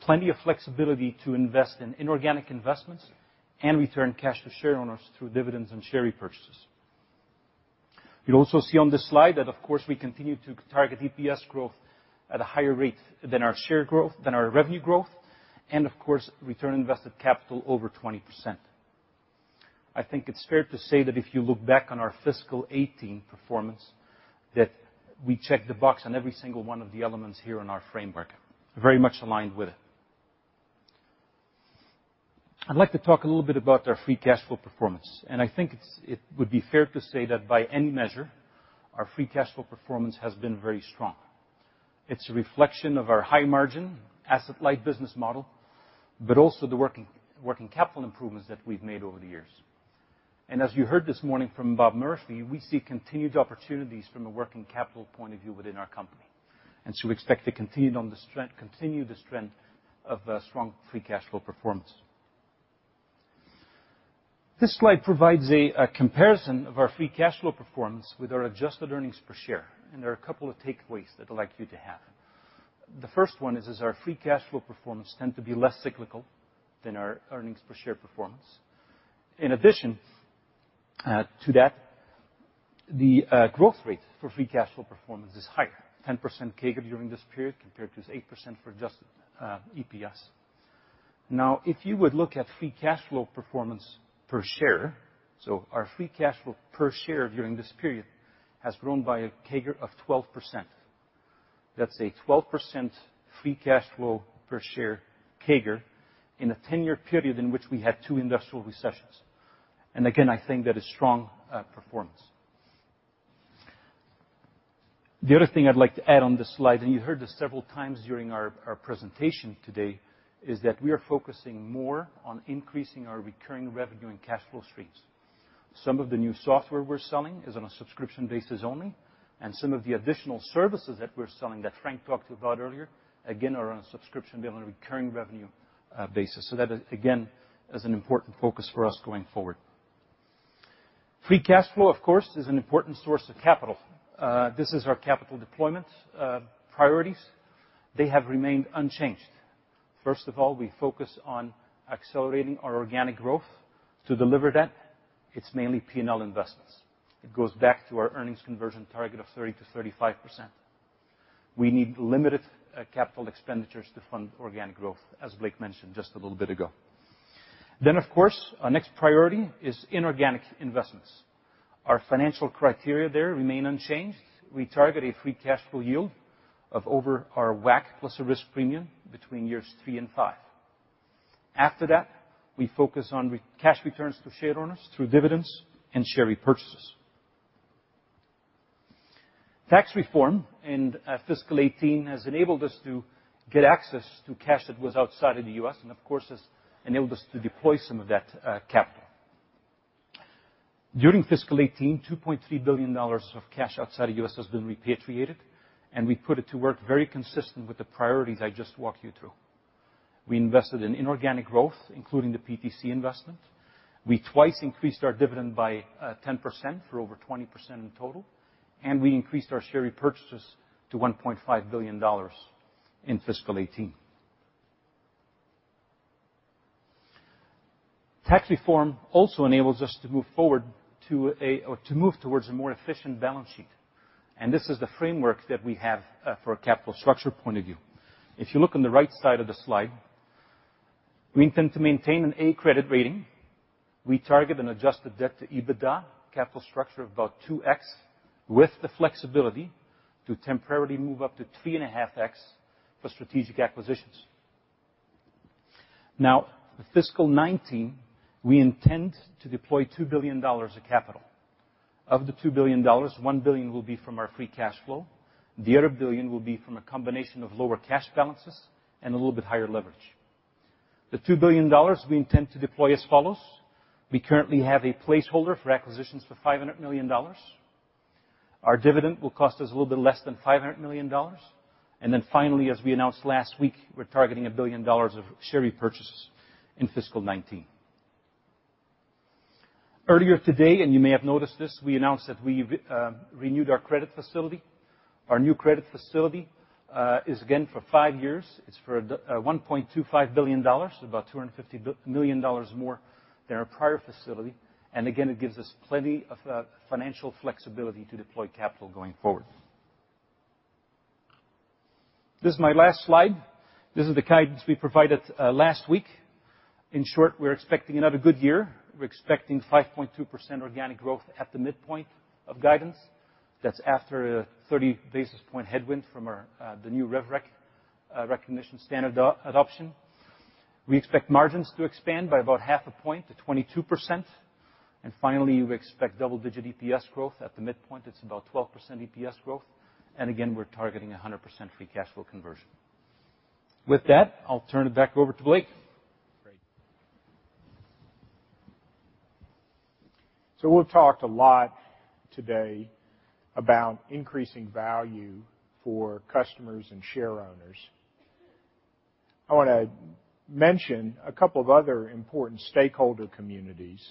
plenty of flexibility to invest in inorganic investments and return cash to shareowners through dividends and share repurchases. You'll also see on this slide that, of course, we continue to target EPS growth at a higher rate than our revenue growth, and of course, return on invested capital over 20%. I think it's fair to say that if you look back on our fiscal 2018 performance, that we checked the box on every single one of the elements here in our framework, very much aligned with it. I'd like to talk a little bit about our free cash flow performance, and I think it would be fair to say that by any measure, our free cash flow performance has been very strong. It's a reflection of our high margin, asset-light business model, but also the working capital improvements that we've made over the years. As you heard this morning from Bob Murphy, we see continued opportunities from a working capital point of view within our company, we expect to continue the strength of strong free cash flow performance. This slide provides a comparison of our free cash flow performance with our adjusted earnings per share, and there are a couple of takeaways that I'd like you to have. The first one is our free cash flow performance tend to be less cyclical than our earnings per share performance. In addition to that, the growth rate for free cash flow performance is higher, 10% CAGR during this period compared to 8% for adjusted EPS. If you would look at free cash flow performance per share, our free cash flow per share during this period has grown by a CAGR of 12%. That's a 12% free cash flow per share CAGR in a 10-year period in which we had two industrial recessions. Again, I think that is strong performance. The other thing I'd like to add on this slide, and you heard this several times during our presentation today, is that we are focusing more on increasing our recurring revenue and cash flow streams. Some of the new software we're selling is on a subscription basis only, and some of the additional services that we're selling that Frank talked about earlier, again, are on a subscription, on a recurring revenue basis. That, again, is an important focus for us going forward. Free cash flow, of course, is an important source of capital. This is our capital deployment priorities. They have remained unchanged. First of all, we focus on accelerating our organic growth to deliver that. It's mainly P&L investments. It goes back to our earnings conversion target of 30%-35%. We need limited capital expenditures to fund organic growth, as Blake mentioned just a little bit ago. Of course, our next priority is inorganic investments. Our financial criteria there remain unchanged. We target a free cash flow yield of over our WACC plus a risk premium between years three and five. After that, we focus on cash returns to shareowners through dividends and share repurchases. Tax reform in fiscal 2018 has enabled us to get access to cash that was outside of the U.S. and, of course, has enabled us to deploy some of that capital. During fiscal 2018, $2.3 billion of cash outside of the U.S. has been repatriated, and we put it to work very consistent with the priorities I just walked you through. We invested in inorganic growth, including the PTC investment. We twice increased our dividend by 10%, for over 20% in total, and we increased our share repurchases to $1.5 billion in fiscal 2018. Tax reform also enables us to move towards a more efficient balance sheet, and this is the framework that we have for a capital structure point of view. If you look on the right side of the slide, we intend to maintain an A credit rating. We target an adjusted debt to EBITDA capital structure of about 2x, with the flexibility to temporarily move up to 3.5x for strategic acquisitions. The FY 2019, we intend to deploy $2 billion of capital. Of the $2 billion, $1 billion will be from our free cash flow. The other $1 billion will be from a combination of lower cash balances and a little bit higher leverage. The $2 billion we intend to deploy as follows: We currently have a placeholder for acquisitions for $500 million. Our dividend will cost us a little bit less than $500 million. Finally, as we announced last week, we're targeting $1 billion of share repurchases in FY 2019. Earlier today, you may have noticed this, we announced that we renewed our credit facility. Our new credit facility is, again, for five years. It's for $1.25 billion, about $250 million more than our prior facility, and again, it gives us plenty of financial flexibility to deploy capital going forward. This is my last slide. This is the guidance we provided last week. In short, we're expecting another good year. We're expecting 5.2% organic growth at the midpoint of guidance. That's after a 30 basis point headwind from the new RevRec recognition standard adoption. We expect margins to expand by about half a point to 22%, and finally, we expect double-digit EPS growth. At the midpoint, it's about 12% EPS growth, and again, we're targeting 100% free cash flow conversion. With that, I'll turn it back over to Blake. We've talked a lot today about increasing value for customers and shareowners. I want to mention a couple of other important stakeholder communities,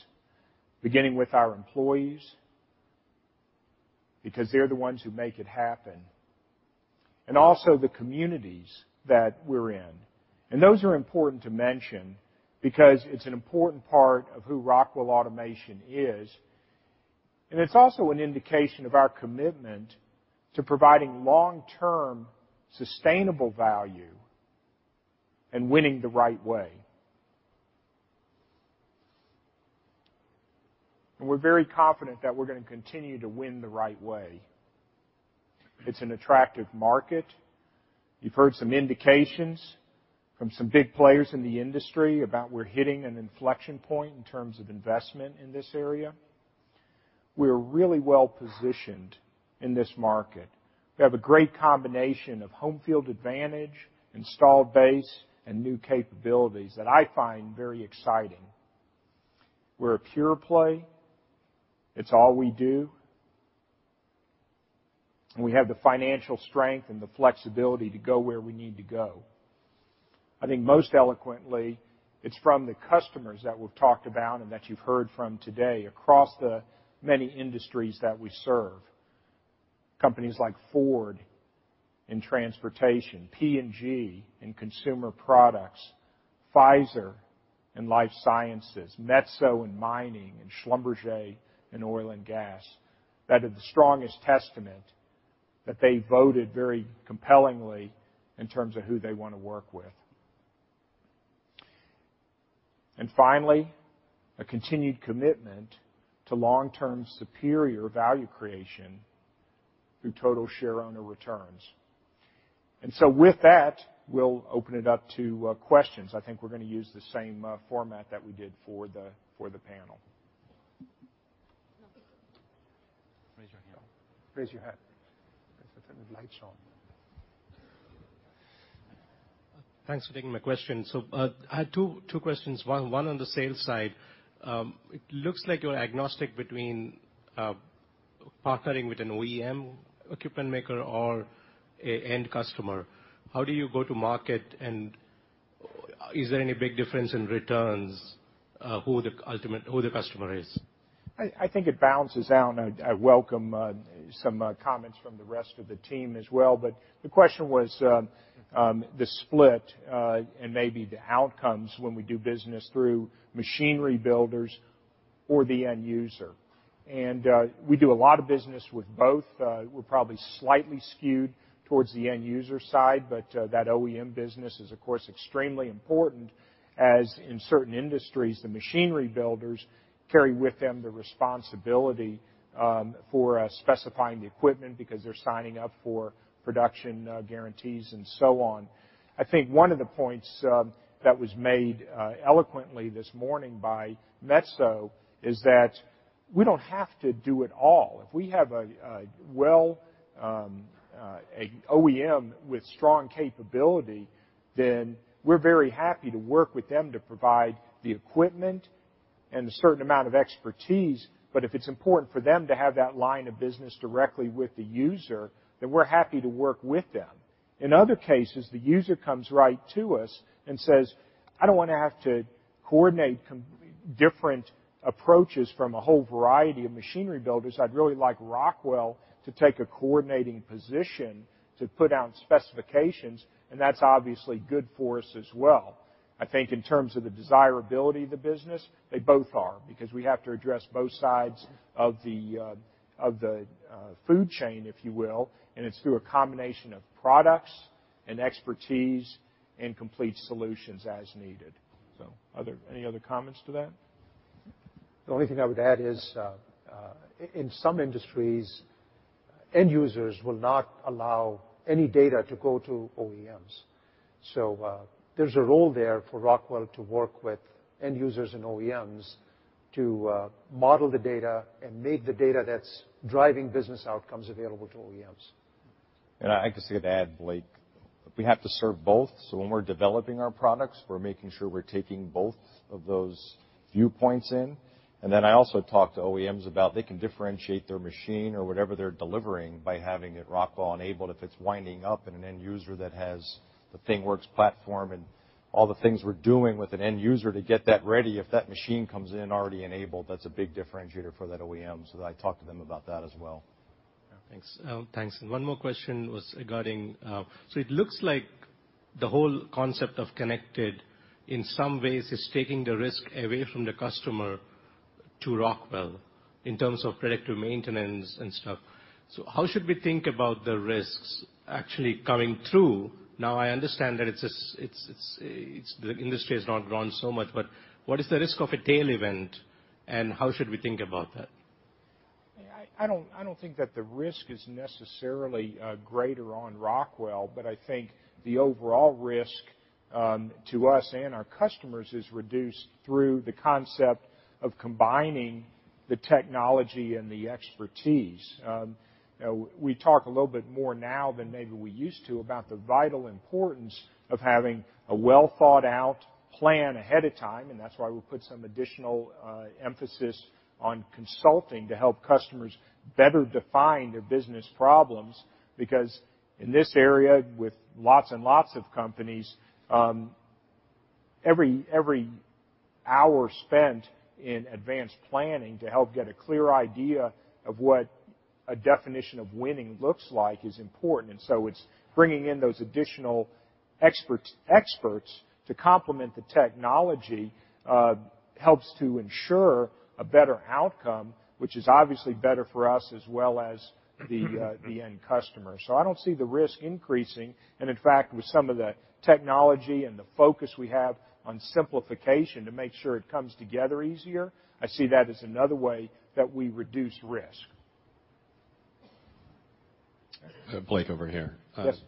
beginning with our employees, because they're the ones who make it happen, and also the communities that we're in. Those are important to mention because it's an important part of who Rockwell Automation is, and it's also an indication of our commitment to providing long-term sustainable value and winning the right way. We're very confident that we're going to continue to win the right way. It's an attractive market. You've heard some indications from some big players in the industry about we're hitting an inflection point in terms of investment in this area. We're really well-positioned in this market. We have a great combination of home field advantage, install base, and new capabilities that I find very exciting. We're a pure play. It's all we do. We have the financial strength and the flexibility to go where we need to go. I think most eloquently, it's from the customers that we've talked about and that you've heard from today, across the many industries that we serve. Companies like Ford in transportation, P&G in consumer products, Pfizer in life sciences, Metso in mining, and Schlumberger in oil and gas, that are the strongest testament that they voted very compellingly in terms of who they want to work with. Finally, a continued commitment to long-term superior value creation through total shareowner returns. With that, we'll open it up to questions. I think we're going to use the same format that we did for the panel. Raise your hand. Raise your hand so the light's on. Thanks for taking my question. I had two questions, one on the sales side. It looks like you're agnostic between partnering with an OEM equipment maker or an end customer. How do you go to market and is there any big difference in returns who the customer is? I think it balances out. I'd welcome some comments from the rest of the team as well, the question was the split and maybe the outcomes when we do business through machinery builders or the end user. We do a lot of business with both. We're probably slightly skewed towards the end user side, but that OEM business is, of course, extremely important as in certain industries, the machinery builders carry with them the responsibility for specifying the equipment because they're signing up for production guarantees and so on. I think one of the points that was made eloquently this morning by Metso is that. We don't have to do it all. If we have an OEM with strong capability, then we're very happy to work with them to provide the equipment and a certain amount of expertise, but if it's important for them to have that line of business directly with the user, then we're happy to work with them. In other cases, the user comes right to us and says, "I don't want to have to coordinate different approaches from a whole variety of machinery builders. I'd really like Rockwell to take a coordinating position to put out specifications," and that's obviously good for us as well. I think in terms of the desirability of the business, they both are, because we have to address both sides of the food chain, if you will, and it's through a combination of products and expertise and complete solutions as needed. Are there any other comments to that? The only thing I would add is, in some industries, end users will not allow any data to go to OEMs. There's a role there for Rockwell to work with end users and OEMs to model the data and make the data that's driving business outcomes available to OEMs. I guess I could add, Blake, we have to serve both, when we're developing our products, we're making sure we're taking both of those viewpoints in. I also talk to OEMs about they can differentiate their machine or whatever they're delivering by having it Rockwell-enabled. If it's winding up in an end user that has the ThingWorx platform and all the things we're doing with an end user to get that ready, if that machine comes in already enabled, that's a big differentiator for that OEM. I talk to them about that as well. Thanks. One more question was regarding it looks like the whole concept of connected, in some ways, is taking the risk away from the customer to Rockwell in terms of predictive maintenance and stuff. How should we think about the risks actually coming through? I understand that the industry has not grown so much, but what is the risk of a tail event, and how should we think about that? I don't think that the risk is necessarily greater on Rockwell, but I think the overall risk to us and our customers is reduced through the concept of combining the technology and the expertise. We talk a little bit more now than maybe we used to about the vital importance of having a well-thought-out plan ahead of time, and that's why we put some additional emphasis on consulting to help customers better define their business problems. Because in this area, with lots and lots of companies, every hour spent in advanced planning to help get a clear idea of what a definition of winning looks like is important. It's bringing in those additional experts to complement the technology helps to ensure a better outcome, which is obviously better for us as well as the end customer. I don't see the risk increasing, and in fact, with some of the technology and the focus we have on simplification to make sure it comes together easier, I see that as another way that we reduce risk. Blake, over here. Yes.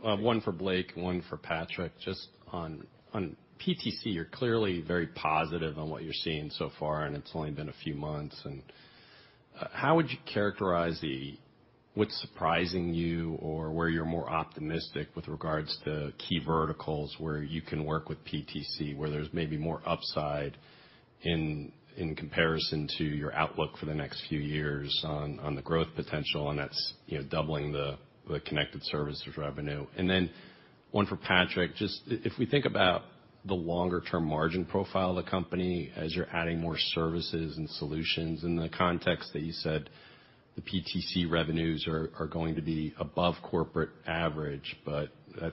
One for Blake, one for Patrick, just on PTC, you're clearly very positive on what you're seeing so far, and it's only been a few months. How would you characterize what's surprising you or where you're more optimistic with regards to key verticals where you can work with PTC, where there's maybe more upside in comparison to your outlook for the next few years on the growth potential, and that's doubling the connected services revenue. Then one for Patrick, just if we think about the longer-term margin profile of the company as you're adding more services and solutions in the context that you said the PTC revenues are going to be above corporate average, but that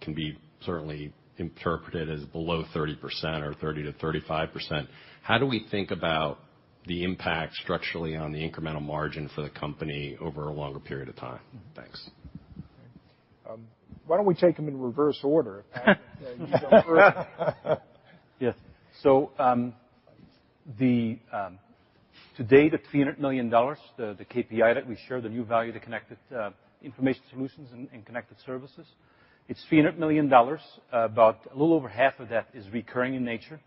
can be certainly interpreted as below 30% or 30%-35%. How do we think about the impact structurally on the incremental margin for the company over a longer period of time? Thanks. Why don't we take them in reverse order, Patrick? You go first. Yes. To date, the $300 million, the KPI that we share, the new value, the connected information solutions and connected services, it's $300 million. About a little over half of that is recurring in nature,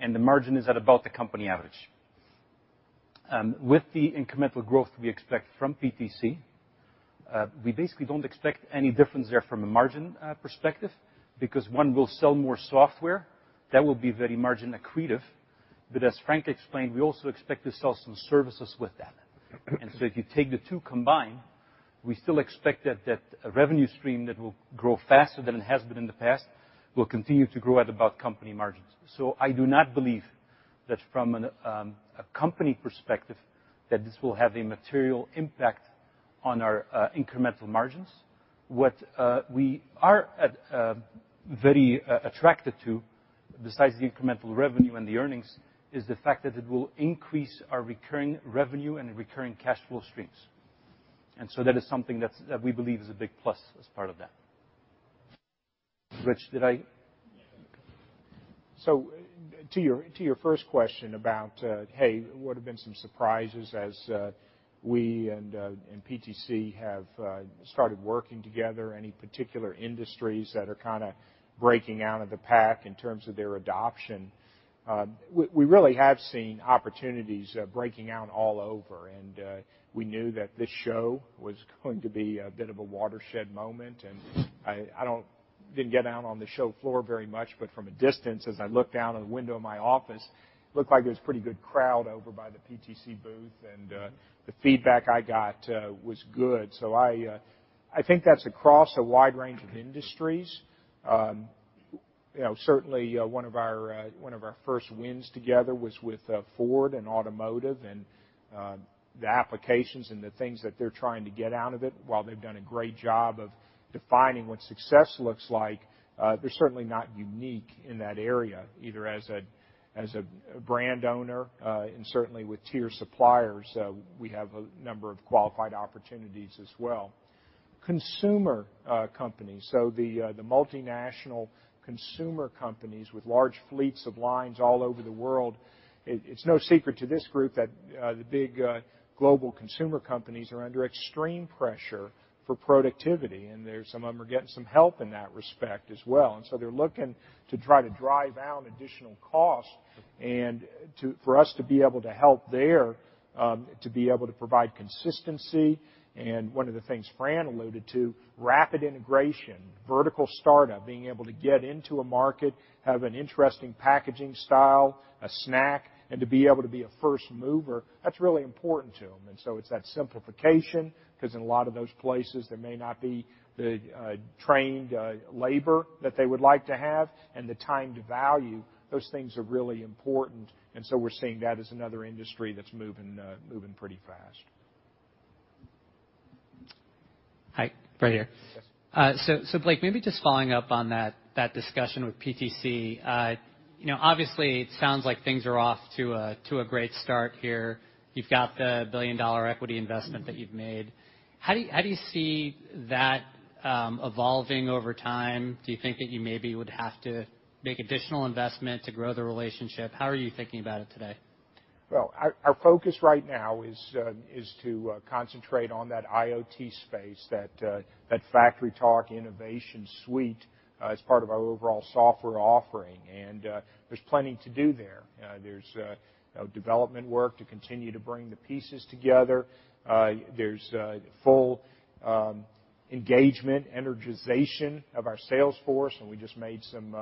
and the margin is at about the company average. With the incremental growth we expect from PTC, we basically don't expect any difference there from a margin perspective because one, we'll sell more software. That will be very margin accretive. As Frank explained, we also expect to sell some services with that. If you take the two combined, we still expect that a revenue stream that will grow faster than it has been in the past will continue to grow at about company margins. I do not believe that from a company perspective that this will have a material impact on our incremental margins. What we are very attracted to, besides the incremental revenue and the earnings, is the fact that it will increase our recurring revenue and recurring cash flow streams. That is something that we believe is a big plus as part of that. Rich, did I To your first question about, hey, what have been some surprises as we and PTC have started working together, any particular industries that are kind of breaking out of the pack in terms of their adoption? We really have seen opportunities breaking out all over. We knew that this show was going to be a bit of a watershed moment. I didn't get out on the show floor very much, from a distance, as I looked down at the window of my office, it looked like it was pretty good crowd over by the PTC booth. The feedback I got was good. I think that's across a wide range of industries. Certainly, one of our first wins together was with Ford and Automotive and the applications and the things that they're trying to get out of it. While they've done a great job of defining what success looks like, they're certainly not unique in that area, either as a brand owner, certainly with tier suppliers, we have a number of qualified opportunities as well. Consumer companies, the multinational consumer companies with large fleets of lines all over the world, it's no secret to this group that the big global consumer companies are under extreme pressure for productivity, some of them are getting some help in that respect as well. They're looking to try to drive down additional costs and for us to be able to help there, to be able to provide consistency. One of the things Fran alluded to, rapid integration, vertical startup, being able to get into a market, have an interesting packaging style, a snack, to be able to be a first mover, that's really important to them. It's that simplification, because in a lot of those places, there may not be the trained labor that they would like to have, and the time to value, those things are really important. We're seeing that as another industry that's moving pretty fast. Hi. Right here. Yes. Blake, maybe just following up on that discussion with PTC. Obviously, it sounds like things are off to a great start here. You've got the $1 billion equity investment that you've made. How do you see that evolving over time? Do you think that you maybe would have to make additional investment to grow the relationship? How are you thinking about it today? Our focus right now is to concentrate on that IoT space, that FactoryTalk InnovationSuite as part of our overall software offering. There's plenty to do there. There's development work to continue to bring the pieces together. There's full engagement, energization of our sales force, we just made some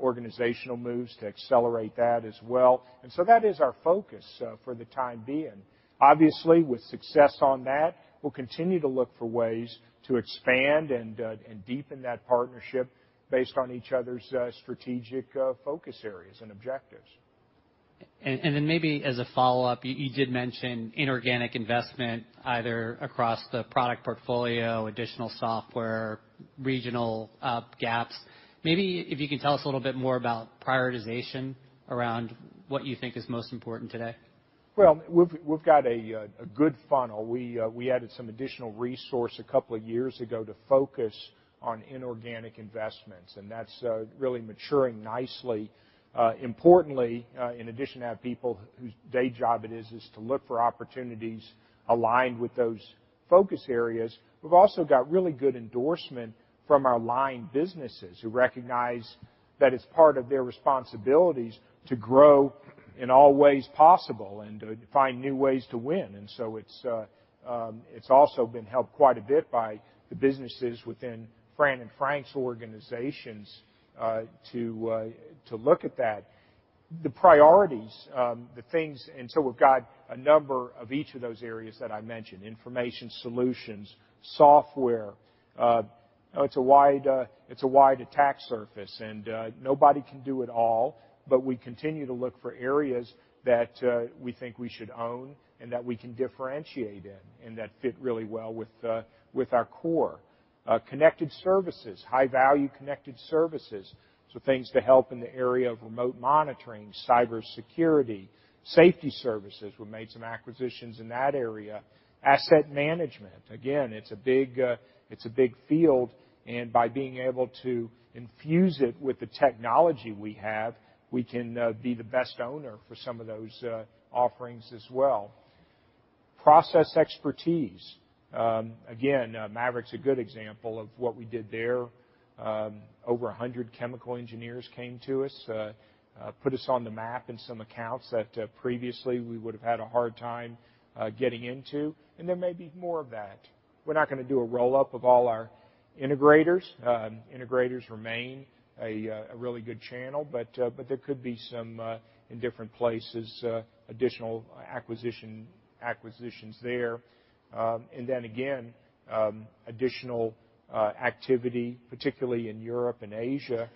organizational moves to accelerate that as well. That is our focus for the time being. Obviously, with success on that, we'll continue to look for ways to expand and deepen that partnership based on each other's strategic focus areas and objectives. Maybe as a follow-up, you did mention inorganic investment, either across the product portfolio, additional software, regional gaps. Maybe if you can tell us a little bit more about prioritization around what you think is most important today. Well, we've got a good funnel. We added some additional resource a couple of years ago to focus on inorganic investments, that's really maturing nicely. Importantly, in addition to have people whose day job it is to look for opportunities aligned with those focus areas. We've also got really good endorsement from our line businesses who recognize that it's part of their responsibilities to grow in all ways possible and to find new ways to win. It's also been helped quite a bit by the businesses within Fran and Frank's organizations to look at that. The priorities, we've got a number of each of those areas that I mentioned, information solutions, software. It's a wide attack surface, nobody can do it all, but we continue to look for areas that we think we should own and that we can differentiate in and that fit really well with our core. Connected services, high-value connected services. Things to help in the area of remote monitoring, cybersecurity, safety services. We've made some acquisitions in that area. Asset management. Again, it's a big field, by being able to infuse it with the technology we have, we can be the best owner for some of those offerings as well. Process expertise. Again, Maverick's a good example of what we did there. Over 100 chemical engineers came to us, put us on the map in some accounts that previously we would have had a hard time getting into. There may be more of that. We're not going to do a roll-up of all our integrators. Integrators remain a really good channel, but there could be some, in different places, additional acquisitions there. Additional activity, particularly in Europe and Asia,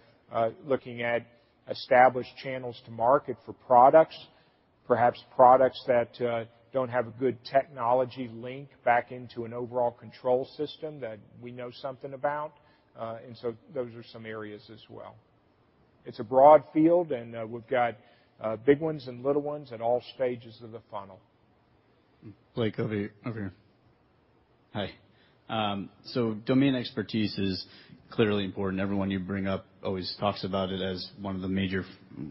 looking at established channels to market for products, perhaps products that don't have a good technology link back into an overall control system that we know something about. Those are some areas as well. It's a broad field, and we've got big ones and little ones at all stages of the funnel. Blake, over here. Hi. Domain expertise is clearly important. Everyone you bring up always talks about it as one of the major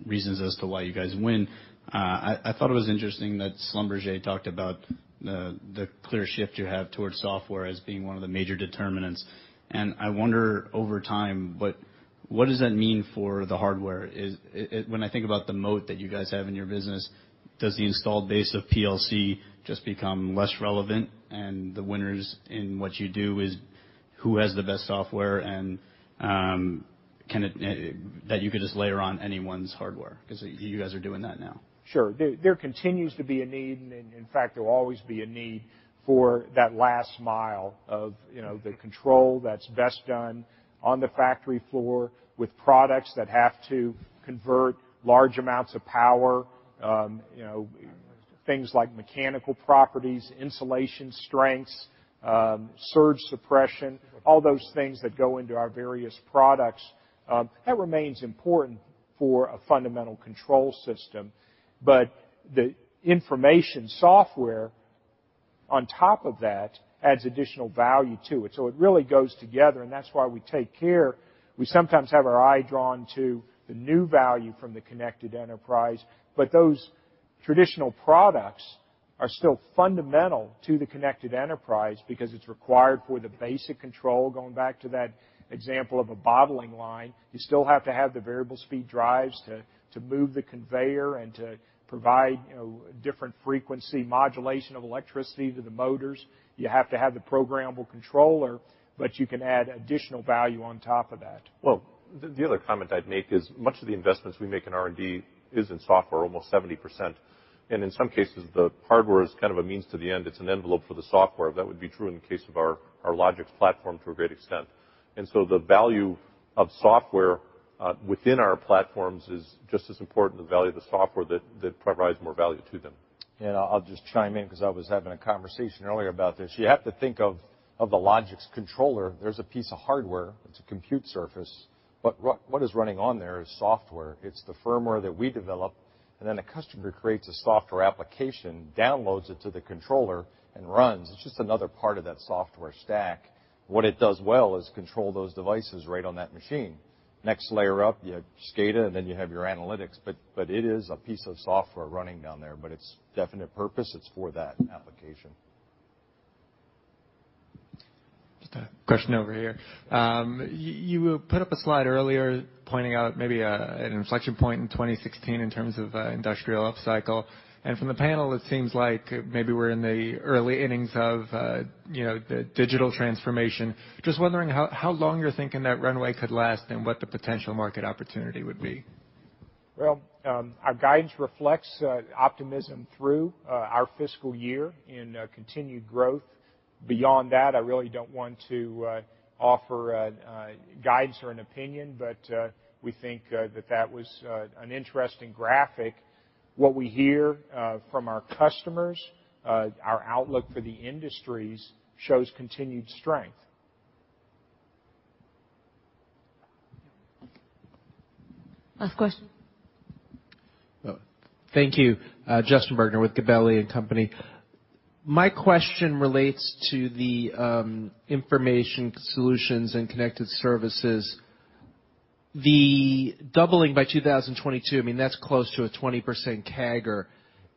reasons as to why you guys win. I thought it was interesting that Schlumberger talked about the clear shift you have towards software as being one of the major determinants, and I wonder over time, what does that mean for the hardware? When I think about the moat that you guys have in your business, does the installed base of PLC just become less relevant and the winners in what you do is who has the best software, that you could just layer on anyone's hardware, because you guys are doing that now. Sure. There continues to be a need, and in fact, there will always be a need for that last mile of the control that's best done on the factory floor with products that have to convert large amounts of power. Things like mechanical properties, insulation strengths, surge suppression, all those things that go into our various products. That remains important for a fundamental control system. The information software on top of that adds additional value to it. It really goes together, and that's why we take care. We sometimes have our eye drawn to the new value from the Connected Enterprise, but those traditional products are still fundamental to the Connected Enterprise because it's required for the basic control. Going back to that example of a bottling line, you still have to have the variable speed drives to move the conveyor and to provide different frequency modulation of electricity to the motors. You have to have the programmable controller, but you can add additional value on top of that. Well, the other comment I'd make is much of the investments we make in R&D is in software, almost 70%. In some cases, the hardware is kind of a means to the end. It's an envelope for the software. That would be true in the case of our Logix platform to a great extent. The value of software, within our platforms, is just as important, the value of the software that provides more value to them. I'll just chime in because I was having a conversation earlier about this. You have to think of the Logix controller. There's a piece of hardware, it's a compute surface, but what is running on there is software. It's the firmware that we develop, then a customer creates a software application, downloads it to the controller and runs. It's just another part of that software stack. What it does well is control those devices right on that machine. Next layer up, you have SCADA, and then you have your analytics, but it is a piece of software running down there, but its definite purpose, it's for that application. Just a question over here. You put up a slide earlier pointing out maybe an inflection point in 2016 in terms of industrial upcycle, from the panel, it seems like maybe we're in the early innings of the digital transformation. Just wondering how long you're thinking that runway could last and what the potential market opportunity would be. Well, our guidance reflects optimism through our fiscal year in continued growth. Beyond that, I really don't want to offer a guidance or an opinion, we think that that was an interesting graphic. What we hear from our customers, our outlook for the industries shows continued strength. Last question. Thank you. Justin Bergner with Gabelli and Company. My question relates to the information solutions and connected services. The doubling by 2022, I mean, that's close to a 20% CAGR.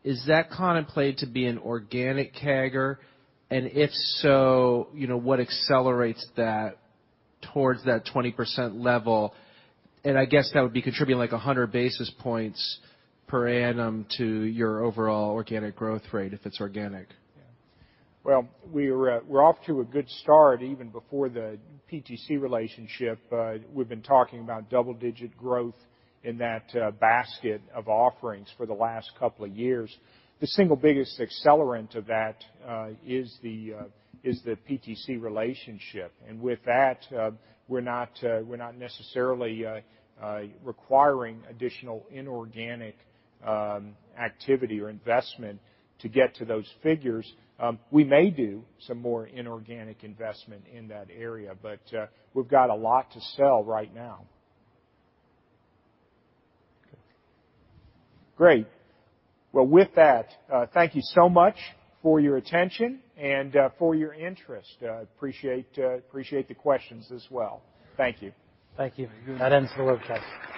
Is that contemplated to be an organic CAGR? If so, what accelerates that towards that 20% level? I guess that would be contributing, like, 100 basis points per annum to your overall organic growth rate, if it's organic. Well, we're off to a good start even before the PTC relationship. We've been talking about double-digit growth in that basket of offerings for the last couple of years. The single biggest accelerant of that is the PTC relationship. With that, we're not necessarily requiring additional inorganic activity or investment to get to those figures. We may do some more inorganic investment in that area, we've got a lot to sell right now. Great. Well, with that, thank you so much for your attention and for your interest. Appreciate the questions as well. Thank you. Thank you. That ends the webcast.